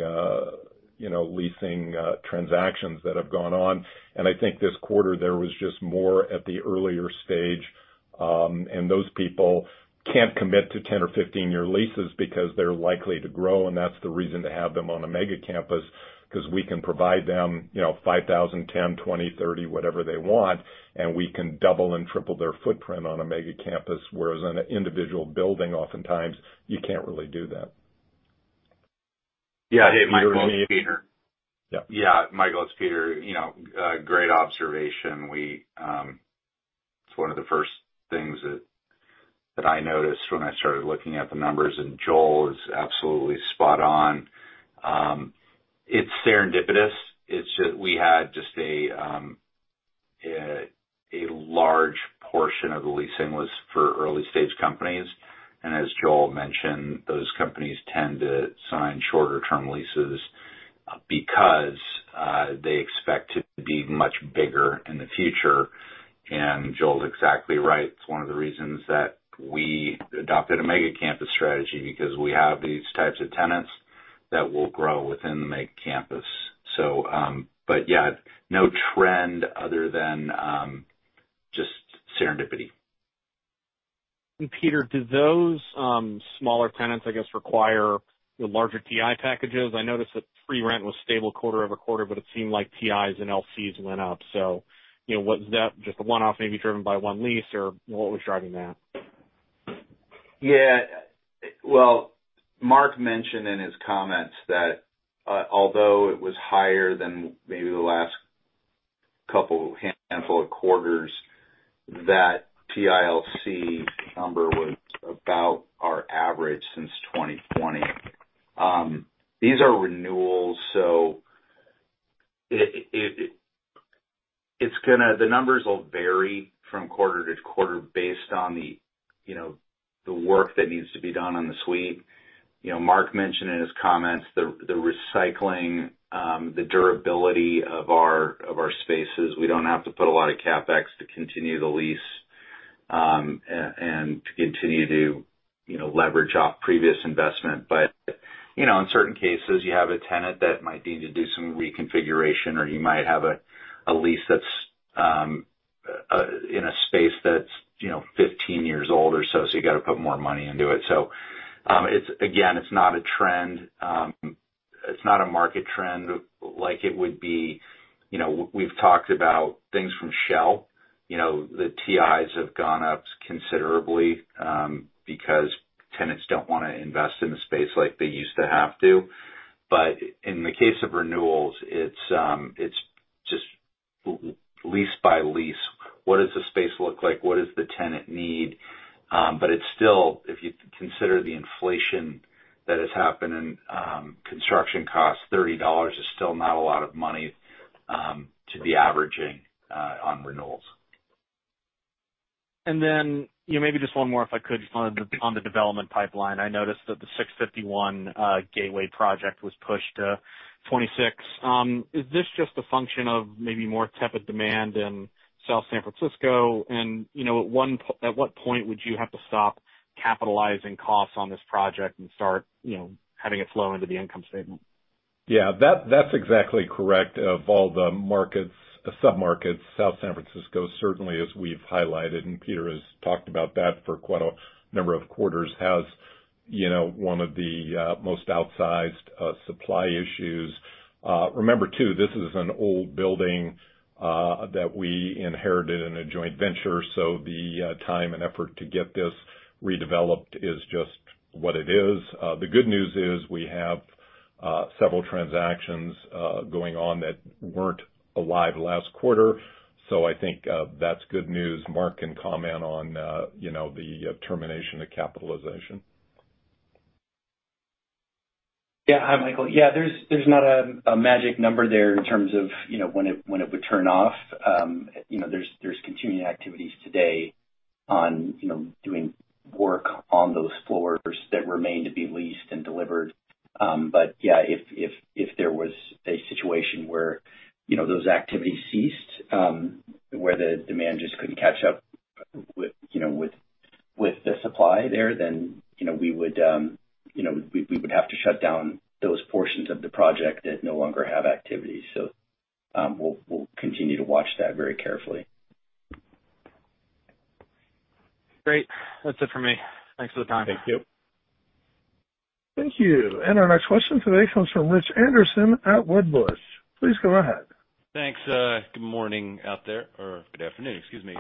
C: you know, leasing, transactions that have gone on. I think this quarter there was just more at the earlier stage, and those people can't commit to 10- or 15-year leases because they're likely to grow, and that's the reason to have them on a mega campus, 'cause we can provide them, you know, 5,000, 10, 20, 30, whatever they want, and we can double and triple their footprint on a mega campus, whereas in an individual building, oftentimes, you can't really do that.
E: Yeah. Hey, Michael, it's Peter.
C: Yeah.
E: Yeah, Michael, it's Peter. You know, great observation. We, It's one of the first things that I noticed when I started looking at the numbers, and Joel is absolutely spot on. It's serendipitous. It's just we had just a large portion of the leasing list for early-stage companies. And as Joel mentioned, those companies tend to sign shorter-term leases because they expect to be much bigger in the future. And Joel's exactly right. It's one of the reasons that we adopted a mega campus strategy, because we have these types of tenants that will grow within the mega campus. So, but yeah, no trend other than just serendipity.
I: And Peter, do those smaller tenants, I guess, require the larger TI packages? I noticed that free rent was stable quarter over quarter, but it seemed like TIs and LCs went up. So, you know, was that just a one-off maybe driven by one lease, or what was driving that?
E: Yeah. Well, Mark mentioned in his comments that, although it was higher than maybe the last couple handful of quarters, that TILC number was about our average since 2020. These are renewals, so the numbers will vary from quarter to quarter based on the, you know, the work that needs to be done on the suite. You know, Mark mentioned in his comments, the recycling, the durability of our spaces. We don't have to put a lot of CapEx to continue the lease and to continue to, you know, leverage off previous investment. But, you know, in certain cases, you have a tenant that might need to do some reconfiguration, or you might have a lease that's in a space that's, you know, 15 years old or so, so you gotta put more money into it. So, it's, again, it's not a trend. It's not a market trend like it would be... You know, we've talked about things from shell. You know, the TIs have gone up considerably, because tenants don't want to invest in a space like they used to have to. But in the case of renewals, it's just lease by lease. What does the space look like? What does the tenant need? But it's still, if you consider the inflation that has happened in construction costs, $30 is still not a lot of money to be averaging on renewals.
I: Then, you know, maybe just one more, if I could, on the development pipeline. I noticed that the 651 Gateway project was pushed to 2026. Is this just a function of maybe more tepid demand in South San Francisco? And, you know, at what point would you have to stop capitalizing costs on this project and start, you know, having it flow into the income statement?
C: Yeah, that, that's exactly correct. Of all the markets, the submarkets, South San Francisco, certainly as we've highlighted, and Peter has talked about that for quite a number of quarters, has, you know, one of the most outsized supply issues. Remember, too, this is an old building that we inherited in a joint venture, so the time and effort to get this redeveloped is just what it is. The good news is we have several transactions going on that weren't alive last quarter. So I think that's good news. Mark can comment on, you know, the termination of capitalization.
F: Yeah. Hi, Michael. Yeah, there's not a magic number there in terms of, you know, when it would turn off. You know, there's continuing activities today on, you know, doing work on those floors that remain to be leased and delivered. But yeah, if there was a situation where, you know, those activities ceased, where the demand just couldn't catch up with, you know, with the supply there, then, you know, we would, you know, we would have to shut down those portions of the project that no longer have activity. So, we'll continue to watch that very carefully.
I: Great. That's it for me. Thanks for the time.
F: Thank you.
A: Thank you. And our next question today comes from Rich Anderson at Wedbush. Please go ahead.
J: Thanks. Good morning out there, or good afternoon, excuse me.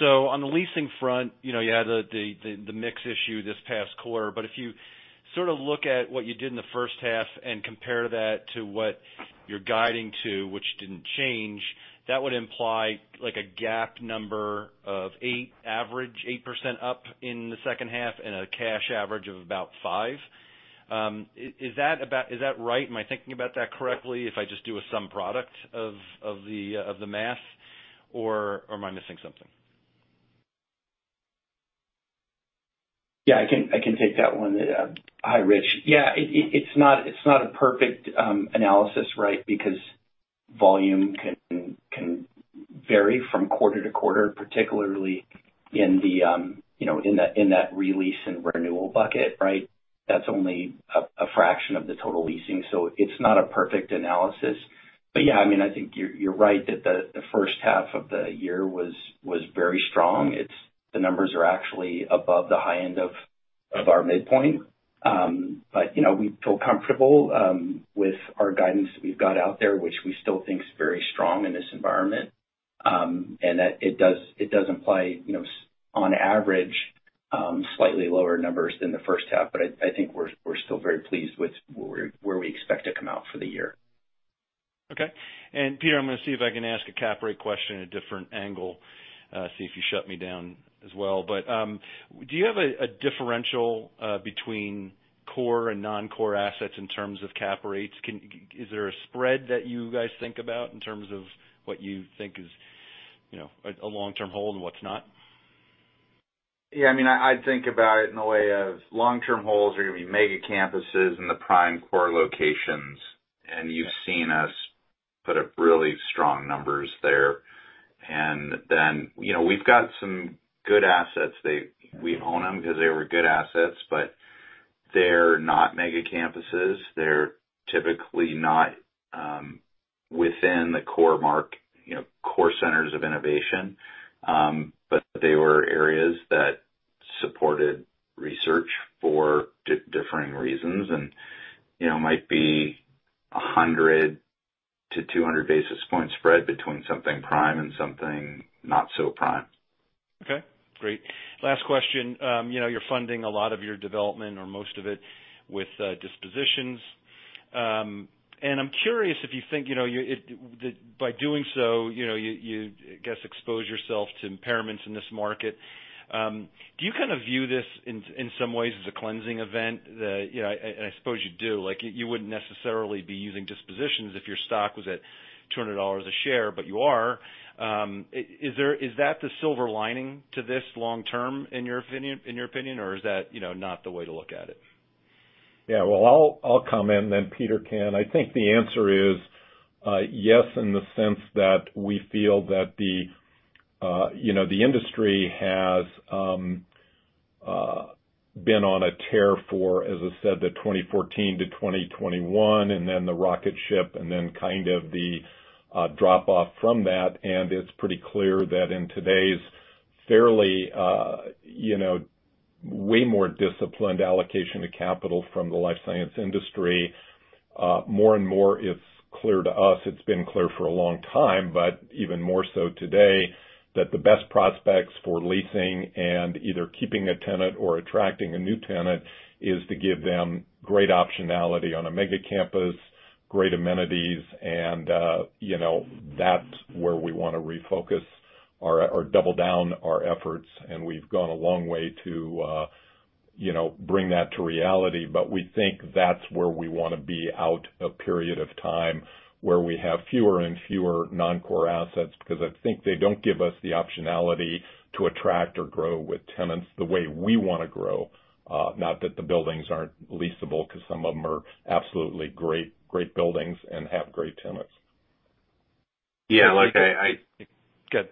J: So on the leasing front, you know, you had the mix issue this past quarter, but if you sort of look at what you did in the first half and compare that to what you're guiding to, which didn't change, that would imply like a GAAP number of 8, average 8% up in the second half and a cash average of about 5. Is that about right? Am I thinking about that correctly, if I just do a sum product of the math, or am I missing something?
F: Yeah, I can take that one. Hi, Rich. Yeah, it's not a perfect analysis, right? Because volume can vary from quarter to quarter, particularly in the, you know, in that re-lease and renewal bucket, right? That's only a fraction of the total leasing, so it's not a perfect analysis. But yeah, I mean, I think you're right that the first half of the year was very strong. It's the numbers are actually above the high end of our midpoint. But you know, we feel comfortable with our guidance that we've got out there, which we still think is very strong in this environment, and that it does imply, you know, on average, slightly lower numbers than the first half. But I think we're still very pleased with where we expect to come out for the year....
J: Okay. And Peter, I'm gonna see if I can ask a cap rate question, a different angle, see if you shut me down as well. But, do you have a, a differential, between core and non-core assets in terms of cap rates? Is there a spread that you guys think about in terms of what you think is, you know, a, a long-term hold and what's not?
E: Yeah, I mean, I think about it in the way of long-term holds are gonna be mega campuses in the prime core locations, and you've seen us put up really strong numbers there. And then, you know, we've got some good assets. They—we own them because they were good assets, but they're not mega campuses. They're typically not within the core markets, you know, core centers of innovation. But they were areas that supported research for differing reasons and, you know, might be 100-200 basis points spread between something prime and something not so prime.
J: Okay, great. Last question. You know, you're funding a lot of your development or most of it with dispositions. And I'm curious if you think, you know, that by doing so, you know, you, you, I guess, expose yourself to impairments in this market. Do you kind of view this in some ways as a cleansing event? That, you know, and I suppose you do, like, you, you wouldn't necessarily be using dispositions if your stock was at $200 a share, but you are. Is there-- is that the silver lining to this long term, in your opinion, in your opinion, or is that, you know, not the way to look at it?
C: Yeah. Well, I'll, I'll comment, and then Peter can. I think the answer is yes, in the sense that we feel that the, you know, the industry has been on a tear for, as I said, the 2014 to 2021, and then the rocket ship, and then kind of the drop off from that. It's pretty clear that in today's fairly you know way more disciplined allocation of capital from the life science industry, more and more it's clear to us, it's been clear for a long time, but even more so today, that the best prospects for leasing and either keeping a tenant or attracting a new tenant is to give them great optionality on a mega campus, great amenities, and you know that's where we wanna refocus or or double down our efforts, and we've gone a long way to you know bring that to reality. But we think that's where we wanna be, out a period of time, where we have fewer and fewer non-core assets, because I think they don't give us the optionality to attract or grow with tenants the way we wanna grow. Not that the buildings aren't leasable, because some of them are absolutely great, great buildings and have great tenants.
E: Yeah, like I...
J: Go ahead.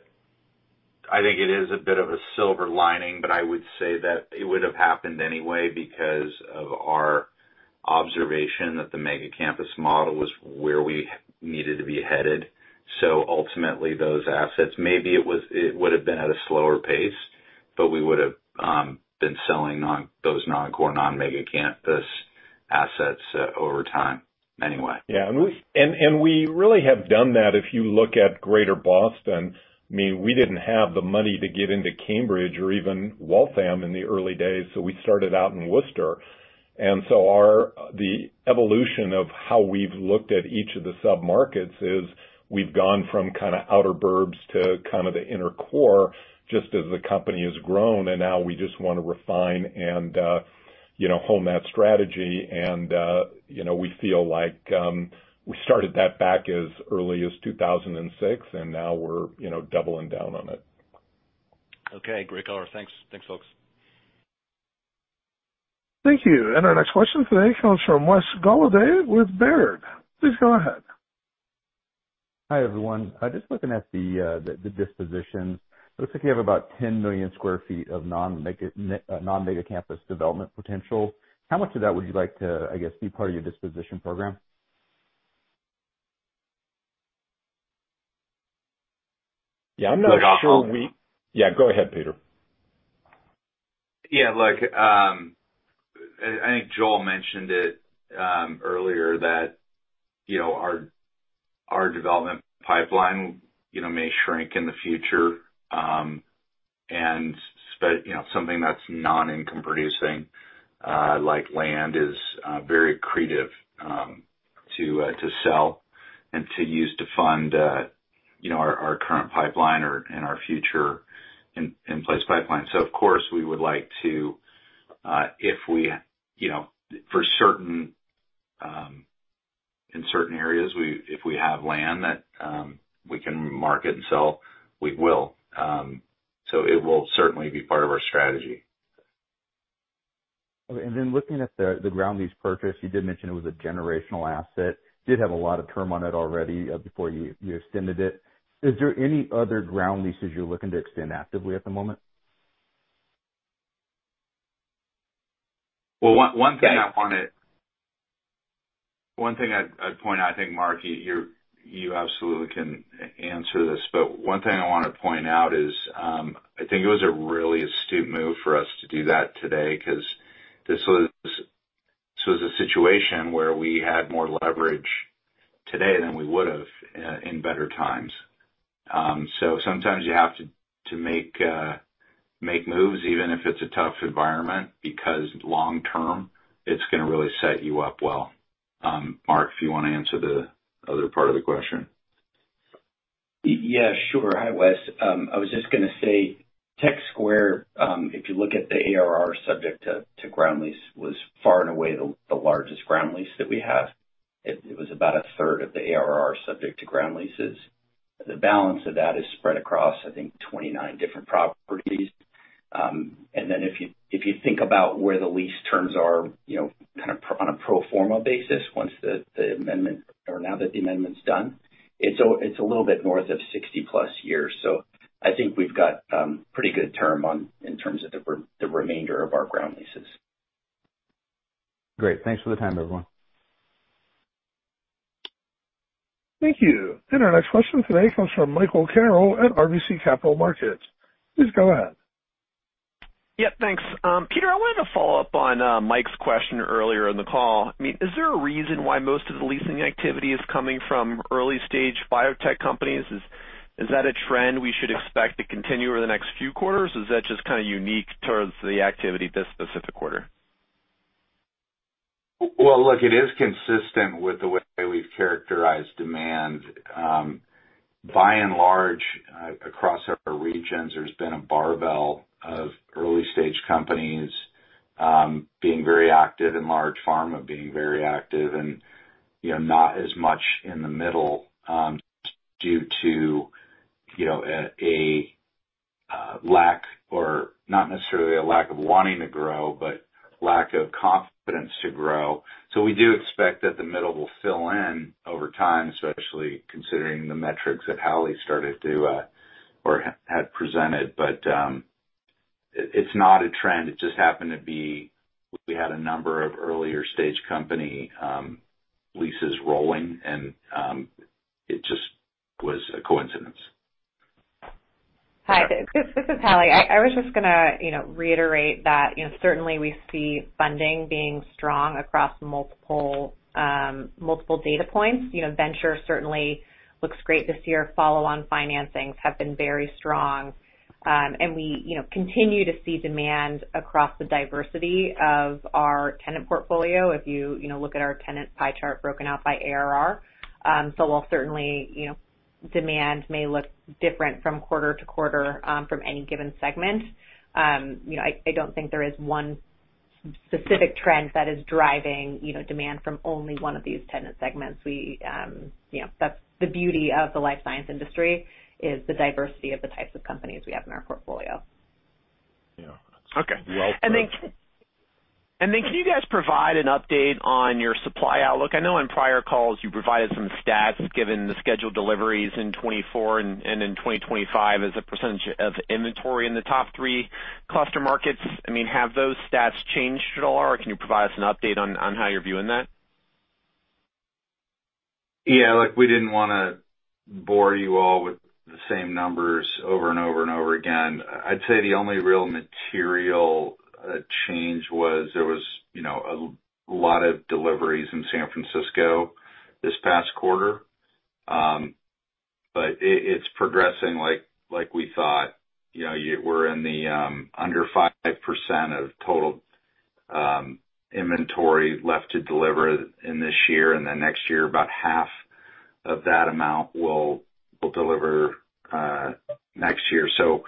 E: I think it is a bit of a silver lining, but I would say that it would have happened anyway because of our observation that the mega campus model was where we needed to be headed. So ultimately, those assets, maybe it would've been at a slower pace, but we would've been selling those non-core, non-mega campus assets over time anyway.
C: Yeah, and we really have done that if you look at Greater Boston. I mean, we didn't have the money to get into Cambridge or even Waltham in the early days, so we started out in Worcester. And so the evolution of how we've looked at each of the submarkets is we've gone from kind of outer burbs to kind of the inner core, just as the company has grown, and now we just want to refine and, you know, hone that strategy. And, you know, we feel like we started that back as early as 2006, and now we're, you know, doubling down on it.
J: Okay. Great color. Thanks. Thanks, folks.
A: Thank you. And our next question today comes from Wes Golladay with Baird. Please go ahead.
K: Hi, everyone. Just looking at the disposition, looks like you have about 10 million sq ft of non-mega campus development potential. How much of that would you like to, I guess, be part of your disposition program?
C: Yeah, I'm not sure we Yeah, go ahead, Peter.
E: Yeah, look, I think Joel mentioned it earlier, that, you know, our development pipeline, you know, may shrink in the future. But, you know, something that's non-income producing, like land, is very accretive to sell and to use to fund, you know, our current pipeline or, and our future in-place pipeline. So of course, we would like to, if we, you know, for certain, in certain areas, we, if we have land that we can market and sell, we will. So it will certainly be part of our strategy.
K: Okay, and then looking at the ground lease purchase, you did mention it was a generational asset. Did have a lot of term on it already, before you extended it. Is there any other ground leases you're looking to extend actively at the moment?
E: Well, one thing I'd point out, I think, Mark, you absolutely can answer this, but one thing I wanna point out is, I think it was a really astute move for us to do that today, 'cause this was a situation where we had more leverage today than we would've in better times. So sometimes you have to make moves, even if it's a tough environment, because long term, it's gonna really set you up well. Mark, if you want to answer the other part of the question?
F: Yeah, sure. Hi, Wes. I was just gonna say, Tech Square, if you look at the ARR subject to ground lease, was far and away the largest ground lease that we have. It was about a third of the ARR subject to ground leases. The balance of that is spread across, I think, 29 different properties. And then if you think about where the lease terms are, you know, kind of on a pro forma basis, once the amendment or now that the amendment's done, it's a little bit north of 60-plus years. So I think we've got pretty good term on, in terms of the remainder of our ground leases.
K: Great. Thanks for the time, everyone.
A: Thank you. Our next question today comes from Michael Carroll at RBC Capital Markets. Please go ahead.
L: Yeah, thanks. Peter, I wanted to follow up on Mike's question earlier in the call. I mean, is there a reason why most of the leasing activity is coming from early stage biotech companies? Is that a trend we should expect to continue over the next few quarters, or is that just kind of unique towards the activity this specific quarter?
E: Well, look, it is consistent with the way we've characterized demand. By and large, across our regions, there's been a barbell of early stage companies being very active and large pharma being very active and, you know, not as much in the middle, due to, you know, a lack or not necessarily a lack of wanting to grow, but lack of confidence to grow. So we do expect that the middle will fill in over time, especially considering the metrics that Hallie started to or had presented. But, it, it's not a trend. It just happened to be, we had a number of earlier stage company leases rolling, and it just was a coincidence.
D: Hi, this is Hallie. I was just gonna, you know, reiterate that, you know, certainly we see funding being strong across multiple, multiple data points. You know, venture certainly looks great this year. Follow-on financings have been very strong, and we, you know, continue to see demand across the diversity of our tenant portfolio, if you, you know, look at our tenant pie chart broken out by ARR. So while certainly, you know, demand may look different from quarter to quarter, from any given segment, you know, I don't think there is one specific trend that is driving, you know, demand from only one of these tenant segments. We, you know, that's the beauty of the life science industry, is the diversity of the types of companies we have in our portfolio.
E: Yeah.
L: Okay.
E: Well said.
L: And then can you guys provide an update on your supply outlook? I know on prior calls, you provided some stats, given the scheduled deliveries in 2024 and in 2025 as a percentage of inventory in the top three cluster markets. I mean, have those stats changed at all, or can you provide us an update on how you're viewing that?
E: Yeah, look, we didn't want to bore you all with the same numbers over and over and over again. I'd say the only real material change was there was, you know, a lot of deliveries in San Francisco this past quarter. But it, it's progressing like, like we thought. You know, we're in the under 5% of total inventory left to deliver in this year, and then next year, about half of that amount will deliver next year. So,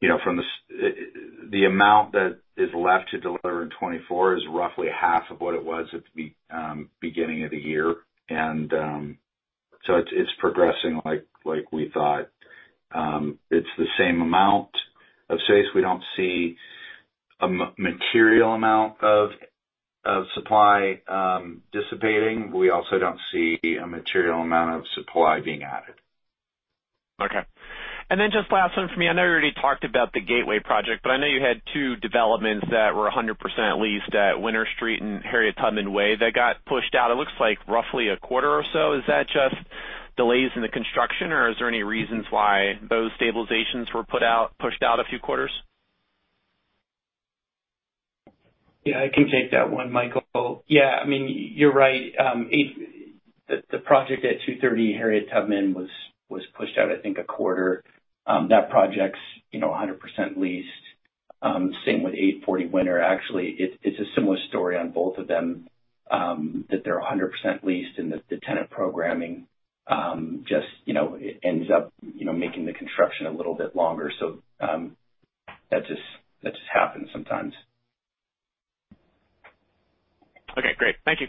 E: you know, from the amount that is left to deliver in 2024 is roughly half of what it was at the beginning of the year. And so it's, it's progressing like, like we thought. It's the same amount of space. We don't see a material amount of supply dissipating. We also don't see a material amount of supply being added.
L: Okay. And then just last one for me. I know you already talked about the Gateway project, but I know you had two developments that were 100% leased at Winter Street and Harriet Tubman Way that got pushed out, it looks like roughly a quarter or so. Is that just delays in the construction, or is there any reasons why those stabilizations were put out, pushed out a few quarters?
F: Yeah, I can take that one, Michael. Yeah, I mean, you're right. The project at Two Thirty Harriet Tubman was pushed out, I think, a quarter. That project's, you know, 100% leased. Same with 840 Winter. Actually, it's a similar story on both of them, that they're 100% leased and the tenant programming just ends up making the construction a little bit longer. That just happens sometimes.
L: Okay, great. Thank you.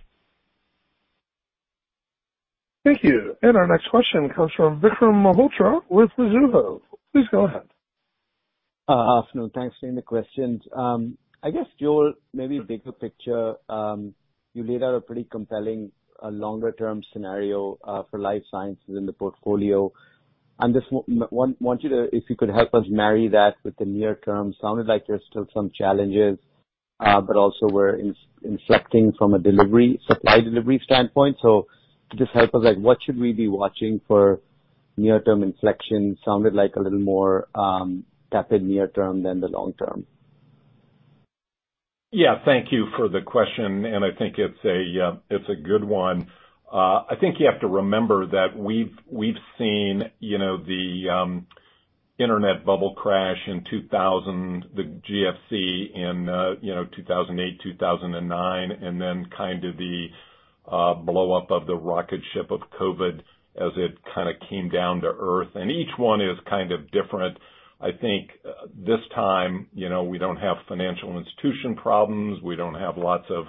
A: Thank you. Our next question comes from Vikram Malhotra with Mizuho. Please go ahead.
M: Afternoon. Thanks for taking the questions. I guess, Joel, maybe bigger picture, you laid out a pretty compelling, longer term scenario, for life sciences in the portfolio. I just want you to, if you could help us marry that with the near term. Sounded like there's still some challenges, but also we're inflecting from a delivery, supply delivery standpoint. So just help us, like, what should we be watching for near-term inflection? Sounded like a little more tapped near term than the long term.
C: Yeah, thank you for the question, and I think it's a, it's a good one. I think you have to remember that we've, we've seen, you know, the, internet bubble crash in 2000, the GFC in, you know, 2008, 2009, and then kind of the, blow up of the rocket ship of COVID as it kind of came down to earth. And each one is kind of different. I think, this time, you know, we don't have financial institution problems. We don't have lots of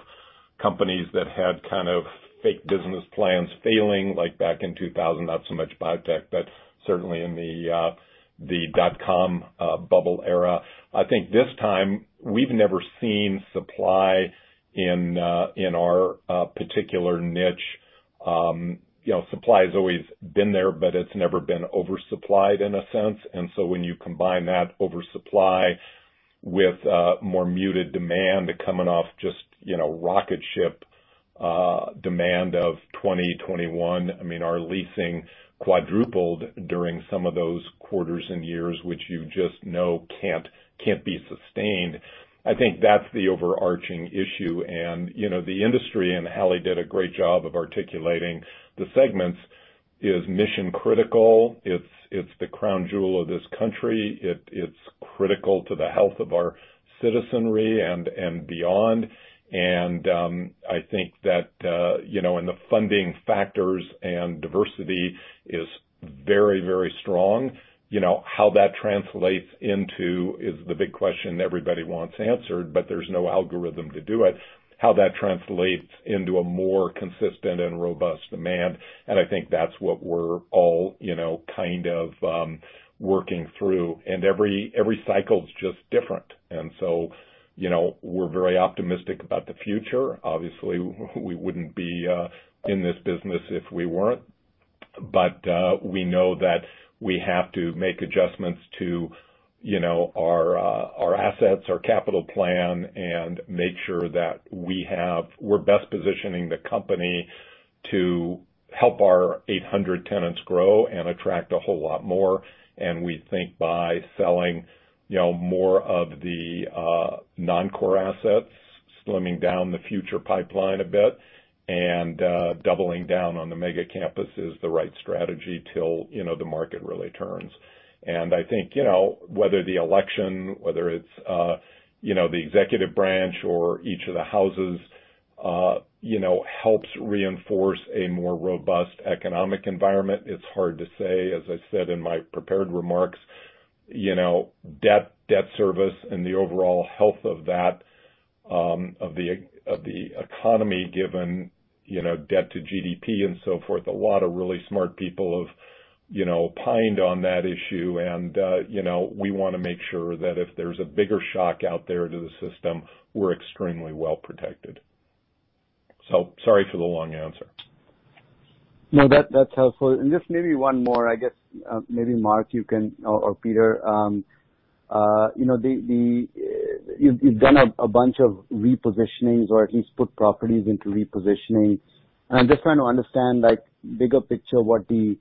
C: companies that had kind of fake business plans failing, like back in 2000, not so much biotech, but certainly in the, the dotcom bubble era. I think this time, we've never seen supply in, in our, particular niche. You know, supply has always been there, but it's never been oversupplied in a sense. And so when you combine that oversupply with more muted demand coming off just, you know, rocket ship demand of 2021, I mean, our leasing quadrupled during some of those quarters and years, which you just know can't, can't be sustained. I think that's the overarching issue. And, you know, the industry, and Hlli did a great job of articulating the segments, is mission critical. It's, it's the crown jewel of this country. It, it's critical to the health of our citizenry and, and beyond. And I think that, you know, and the funding factors and diversity is very, very strong. You know, how that translates into is the big question everybody wants answered, but there's no algorithm to do it. How that translates into a more consistent and robust demand, and I think that's what we're all, you know, kind of, working through. Every cycle is just different. And so, you know, we're very optimistic about the future. Obviously, we wouldn't be in this business if we weren't. But we know that we have to make adjustments to, you know, our our assets, our capital plan, and make sure that we have, we're best positioning the company to help our 800 tenants grow and attract a whole lot more. And we think by selling, you know, more of the non-core assets, slimming down the future pipeline a bit, and doubling down on the mega campus is the right strategy till, you know, the market really turns. And I think, you know, whether the election, whether it's, you know, the executive branch or each of the houses, you know, helps reinforce a more robust economic environment, it's hard to say. As I said in my prepared remarks, you know, debt, debt service and the overall health of that, of the, of the economy, given, you know, debt to GDP and so forth, a lot of really smart people have, you know, opined on that issue. And, you know, we want to make sure that if there's a bigger shock out there to the system, we're extremely well protected. So sorry for the long answer.
M: No, that's helpful. And just maybe one more. I guess, maybe Mark, you can, or Peter. You know, you've done a bunch of repositionings or at least put properties into repositioning. And I'm just trying to understand, like, bigger picture, what the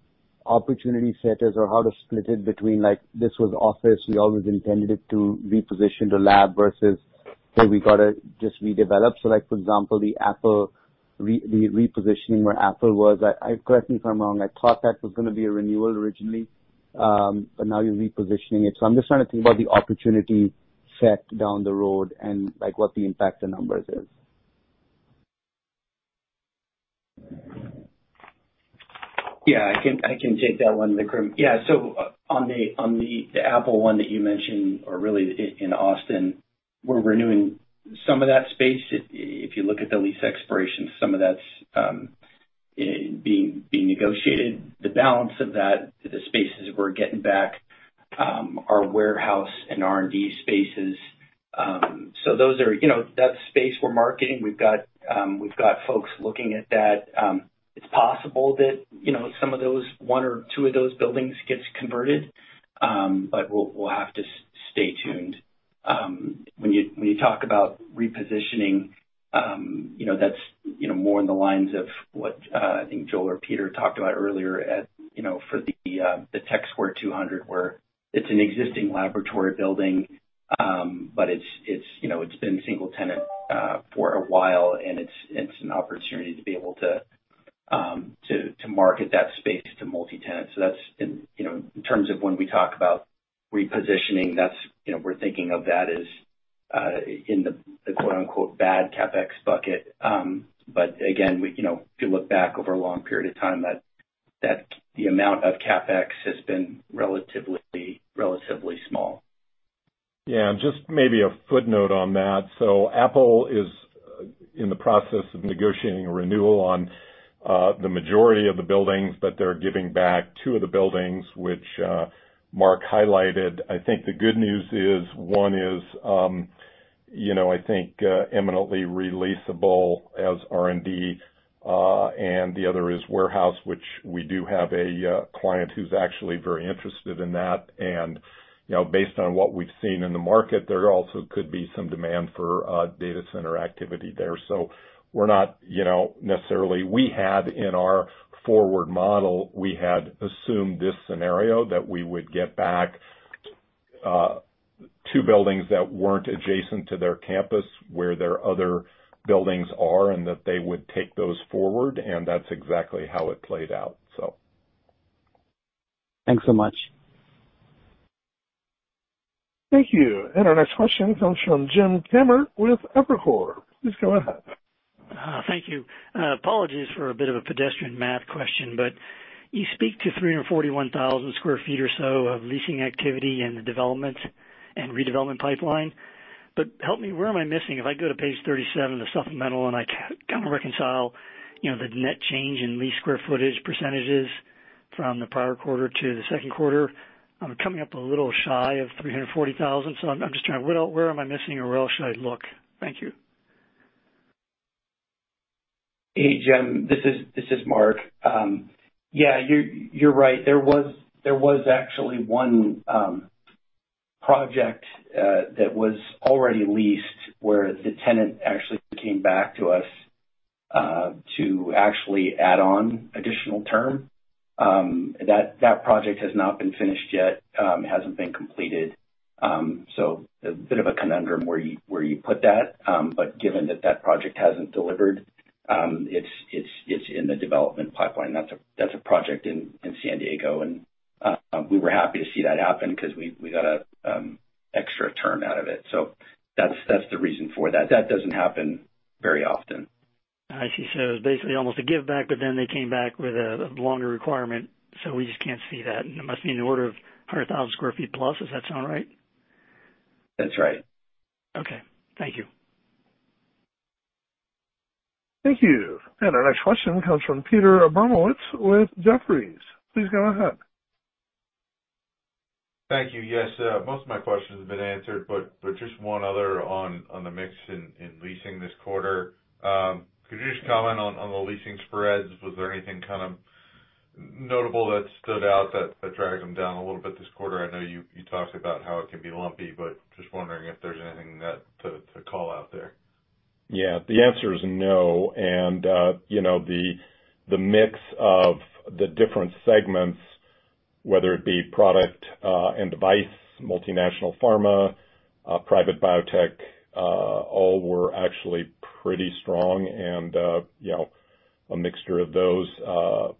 M: opportunity set is or how to split it between, like, this was office, we always intended it to reposition the lab versus, okay, we got to just redevelop. So like, for example, the Apple repositioning where Apple was, correct me if I'm wrong, I thought that was going to be a renewal originally, but now you're repositioning it. So I'm just trying to think about the opportunity set down the road and, like, what the impact the numbers is.
F: Yeah, I can, I can take that one, Vikram. Yeah, so on the, on the, the Apple one that you mentioned, or really in, in Austin, we're renewing some of that space. If, if you look at the lease expiration, some of that's being negotiated. The balance of that, the spaces we're getting back, are warehouse and R&D spaces. So those are, you know, that space we're marketing, we've got, we've got folks looking at that. It's possible that, you know, some of those, one or two of those buildings gets converted, but we'll, we'll have to stay tuned. When you talk about repositioning, you know, that's more in the lines of what I think Joel or Peter talked about earlier at, you know, for the Tech Square 200, where it's an existing laboratory building, but it's, you know, it's been single tenant for a while, and it's an opportunity to be able to to market that space to multi-tenant. So that's in, you know, in terms of when we talk about repositioning, that's, you know, we're thinking of that as in the "bad" CapEx bucket. But again, we, you know, if you look back over a long period of time, that the amount of CapEx has been relatively small.
C: Yeah, and just maybe a footnote on that. So Apple is in the process of negotiating a renewal on the majority of the buildings, but they're giving back two of the buildings which Mark highlighted. I think the good news is one is, you know, I think, imminently releasable as R&D, and the other is warehouse, which we do have a client who's actually very interested in that. And, you know, based on what we've seen in the market, there also could be some demand for data center activity there. So we're not, you know, necessarily. We had in our forward model, we had assumed this scenario that we would get back two buildings that weren't adjacent to their campus, where their other buildings are, and that they would take those forward, and that's exactly how it played out, so.
D: Thanks so much.
A: Thank you. And our next question comes from Jim Kamm with Evercore. Please go ahead.
N: Thank you. Apologies for a bit of a pedestrian math question, but you speak to 341,000 sq ft or so of leasing activity in the development and redevelopment pipeline. But help me, where am I missing? If I go to page 37, the supplemental, and I can kind of reconcile, you know, the net change in lease square footage percentages from the prior quarter to the second quarter, I'm coming up a little shy of 340,000. So I'm just trying to—where am I missing, or where else should I look? Thank you.
F: Hey, Jim, this is Mark. Yeah, you're right. There was actually one project that was already leased where the tenant actually came back to us to actually add on additional term. That project has not been finished yet. It hasn't been completed. So a bit of a conundrum where you put that, but given that that project hasn't delivered, it's in the development pipeline. That's a project in San Diego, and we were happy to see that happen because we got a extra term out of it. So that's the reason for that. That doesn't happen very often.
N: I see. So basically almost a give back, but then they came back with a longer requirement, so we just can't see that. And it must be in the order of 100,000 sq ft plus. Does that sound right?
F: That's right.
N: Okay. Thank you.
A: Thank you. Our next question comes from Peter with Jefferies. Please go ahead.
O: Thank you. Yes, most of my questions have been answered, but just one other on the mix in leasing this quarter. Could you just comment on the leasing spreads? Was there anything kind of notable that stood out that dragged them down a little bit this quarter? I know you talked about how it can be lumpy, but just wondering if there's anything to call out there.
C: Yeah, the answer is no. And you know, the mix of the different segments, whether it be product and device, multinational pharma, private biotech, all were actually pretty strong. And you know, a mixture of those,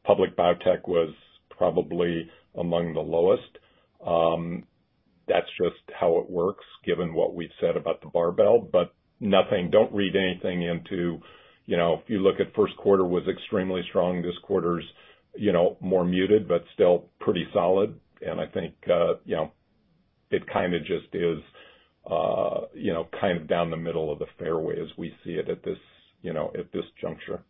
C: public biotech was probably among the lowest. That's just how it works, given what we've said about the barbell, but nothing. Don't read anything into, you know, if you look at first quarter was extremely strong, this quarter's, you know, more muted, but still pretty solid. And I think, you know, it kind of just is, you know, kind of down the middle of the fairway as we see it at this, you know, at this juncture.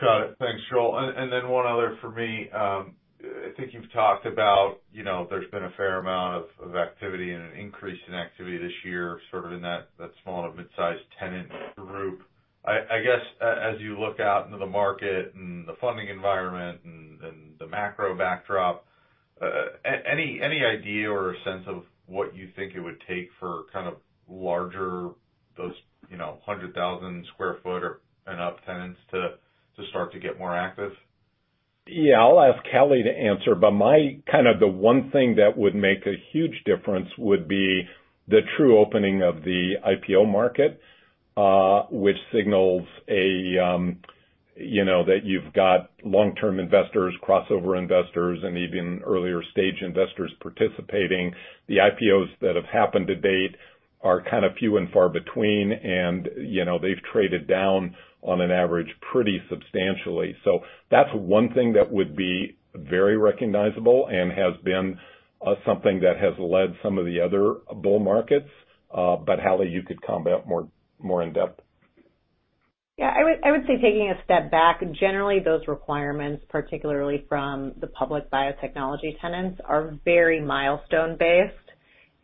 O: Got it. Thanks, Joel. And then one other for me. I think you've talked about, you know, there's been a fair amount of activity and an increase in activity this year, sort of in that small to mid-sized tenant group. I guess, as you look out into the market and the funding environment and the macro backdrop, any idea or sense of what you think it would take for kind of larger those, you know, 100,000 sq ft or and up tenants to start to get more active?
C: Yeah, I'll ask Kelly to answer, but my kind of the one thing that would make a huge difference would be the true opening of the IPO market, which signals a, you know, that you've got long-term investors, crossover investors, and even earlier stage investors participating. The IPOs that have happened to date are kind of few and far between, and, you know, they've traded down on an average pretty substantially. So that's one thing that would be very recognizable and has been, something that has led some of the other bull markets. But Kelly, you could comment more, more in depth.
D: Yeah, I would say taking a step back, generally, those requirements, particularly from the public biotechnology tenants, are very milestone based.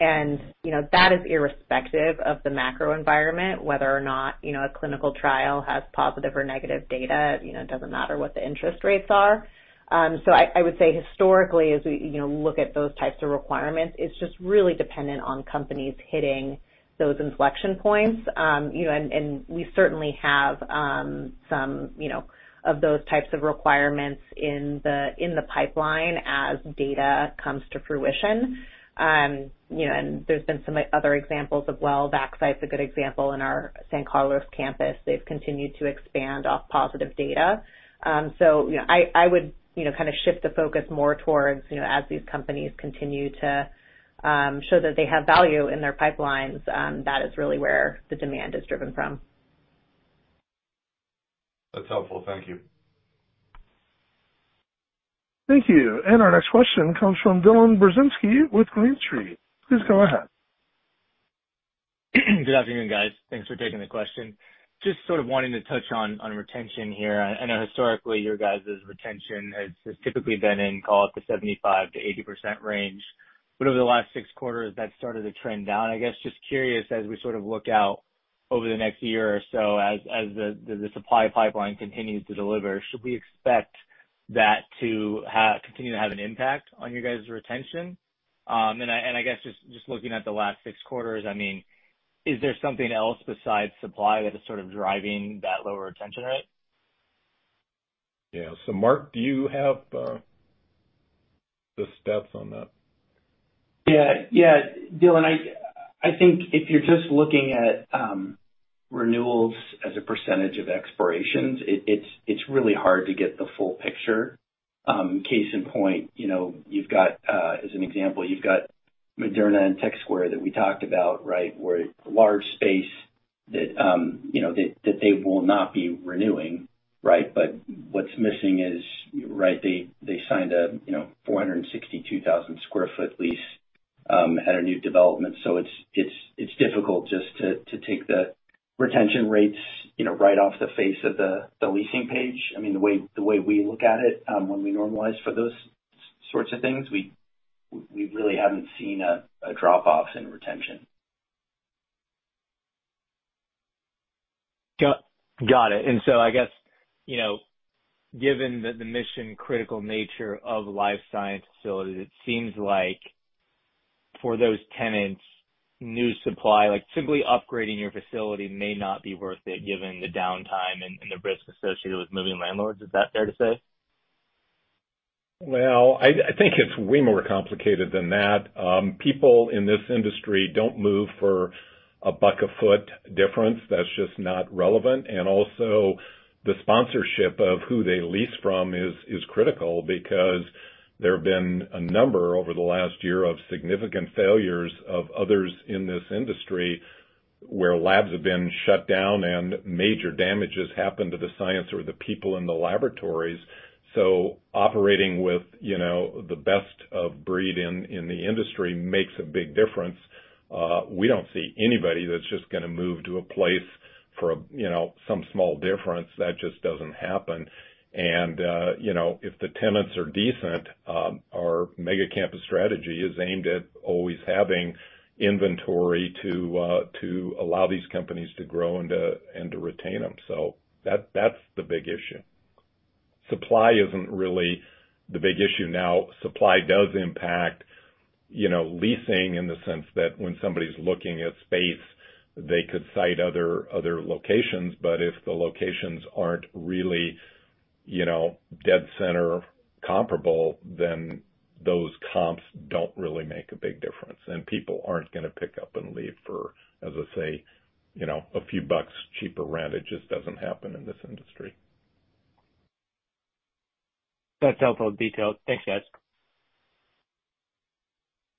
D: And, you know, that is irrespective of the macro environment, whether or not, you know, a clinical trial has positive or negative data, you know, it doesn't matter what the interest rates are. So I would say historically, as we, you know, look at those types of requirements, it's just really dependent on companies hitting those inflection points. You know, and, and we certainly have some, you know, of those types of requirements in the pipeline as data comes to fruition. You know, and there's been some other examples of, well, Vaxcyte's a good example in our San Carlos campus. They've continued to expand off positive data. So, you know, I would kind of shift the focus more towards, you know, as these companies continue to show that they have value in their pipelines, that is really where the demand is driven from.
O: That's helpful. Thank you.
A: Thank you. Our next question comes from Dylan Burzinski with Green Street. Please go ahead.
P: Good afternoon, guys. Thanks for taking the question. Just sort of wanting to touch on retention here. I know historically, your guys' retention has typically been in call it the 75%-80% range, but over the last six quarters, that started to trend down. I guess just curious, as we sort of look out over the next year or so, as the supply pipeline continues to deliver, should we expect that to continue to have an impact on your guys' retention? And I guess just looking at the last six quarters, I mean, is there something else besides supply that is sort of driving that lower retention rate?...
C: Yeah. So Mark, do you have the stats on that?
F: Yeah, yeah, Dylan, I think if you're just looking at renewals as a percentage of expirations, it's really hard to get the full picture. Case in point, you know, you've got, as an example, you've got Moderna and Tech Square that we talked about, right? Where a large space that, you know, that they will not be renewing, right? But what's missing is, right, they signed a, you know, 462,000 sq ft lease at a new development. So it's difficult just to take the retention rates, you know, right off the face of the leasing page. I mean, the way we look at it, when we normalize for those sorts of things, we really haven't seen a drop-off in retention.
P: Got it. So I guess, you know, given the mission-critical nature of life science facilities, it seems like for those tenants, new supply, like simply upgrading your facility, may not be worth it, given the downtime and the risk associated with moving landlords. Is that fair to say?
C: Well, I think it's way more complicated than that. People in this industry don't move for a buck a foot difference. That's just not relevant. And also, the sponsorship of who they lease from is critical, because there have been a number, over the last year, of significant failures of others in this industry, where labs have been shut down and major damages happened to the science or the people in the laboratories. So operating with, you know, the best of breed in the industry makes a big difference. We don't see anybody that's just gonna move to a place for, you know, some small difference. That just doesn't happen. And, you know, if the tenants are decent, our mega campus strategy is aimed at always having inventory to allow these companies to grow and to retain them. So that, that's the big issue. Supply isn't really the big issue. Now, supply does impact, you know, leasing in the sense that when somebody's looking at space, they could cite other, other locations, but if the locations aren't really, you know, dead center comparable, then those comps don't really make a big difference, and people aren't gonna pick up and leave for, as I say, you know, a few bucks cheaper rent. It just doesn't happen in this industry.
P: That's helpful detail. Thanks, guys.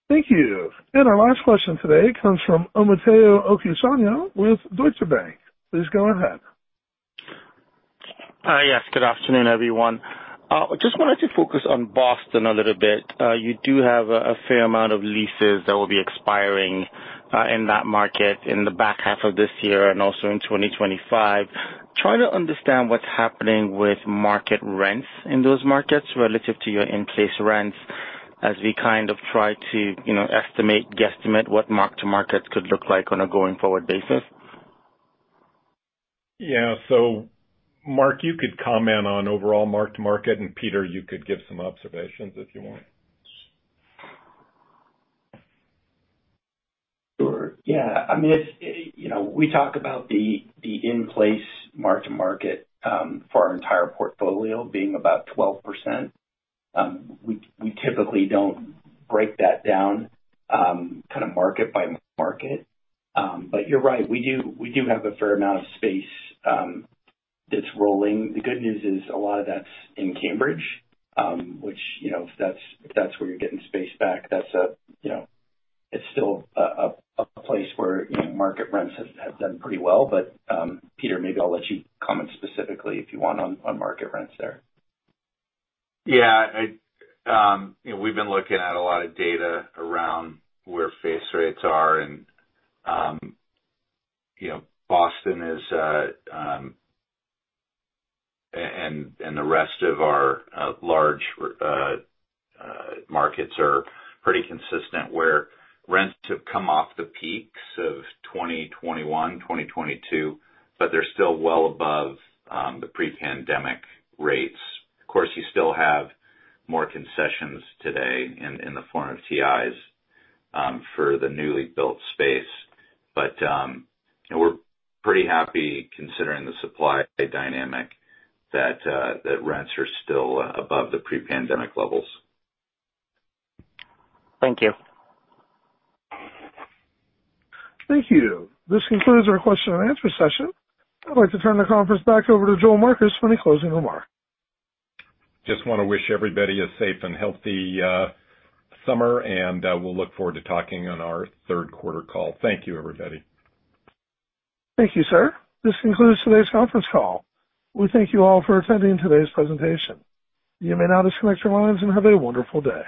A: Thank you. Our last question today comes from Omotayo Okusanya with Deutsche Bank. Please go ahead.
Q: Yes, good afternoon, everyone. Just wanted to focus on Boston a little bit. You do have a fair amount of leases that will be expiring in that market in the back half of this year and also in 2025. Trying to understand what's happening with market rents in those markets relative to your in-place rents, as we kind of try to, you know, estimate, guesstimate what mark to markets could look like on a going-forward basis.
C: Yeah. So Mark, you could comment on overall mark-to-market, and Peter, you could give some observations if you want.
F: Sure. Yeah. I mean, if you know, we talk about the in-place mark to market for our entire portfolio being about 12%, we typically don't break that down kind of market by market. But you're right, we do have a fair amount of space that's rolling. The good news is a lot of that's in Cambridge, which you know, if that's where you're getting space back, that's a you know, it's still a place where you know, market rents have done pretty well. But Peter, maybe I'll let you comment specifically, if you want on market rents there.
E: Yeah, I you know, we've been looking at a lot of data around where face rates are and, you know, Boston is... And the rest of our large markets are pretty consistent, where rents have come off the peaks of 2021, 2022, but they're still well above the pre-pandemic rates. Of course, you still have more concessions today in the form of TIs for the newly built space. But, and we're pretty happy, considering the supply dynamic, that rents are still above the pre-pandemic levels.
Q: Thank you.
A: Thank you. This concludes our question and answer session. I'd like to turn the conference back over to Joel Marcus for any closing remarks.
C: Just wanna wish everybody a safe and healthy summer, and we'll look forward to talking on our third quarter call. Thank you, everybody.
A: Thank you, sir. This concludes today's conference call. We thank you all for attending today's presentation. You may now disconnect your lines and have a wonderful day.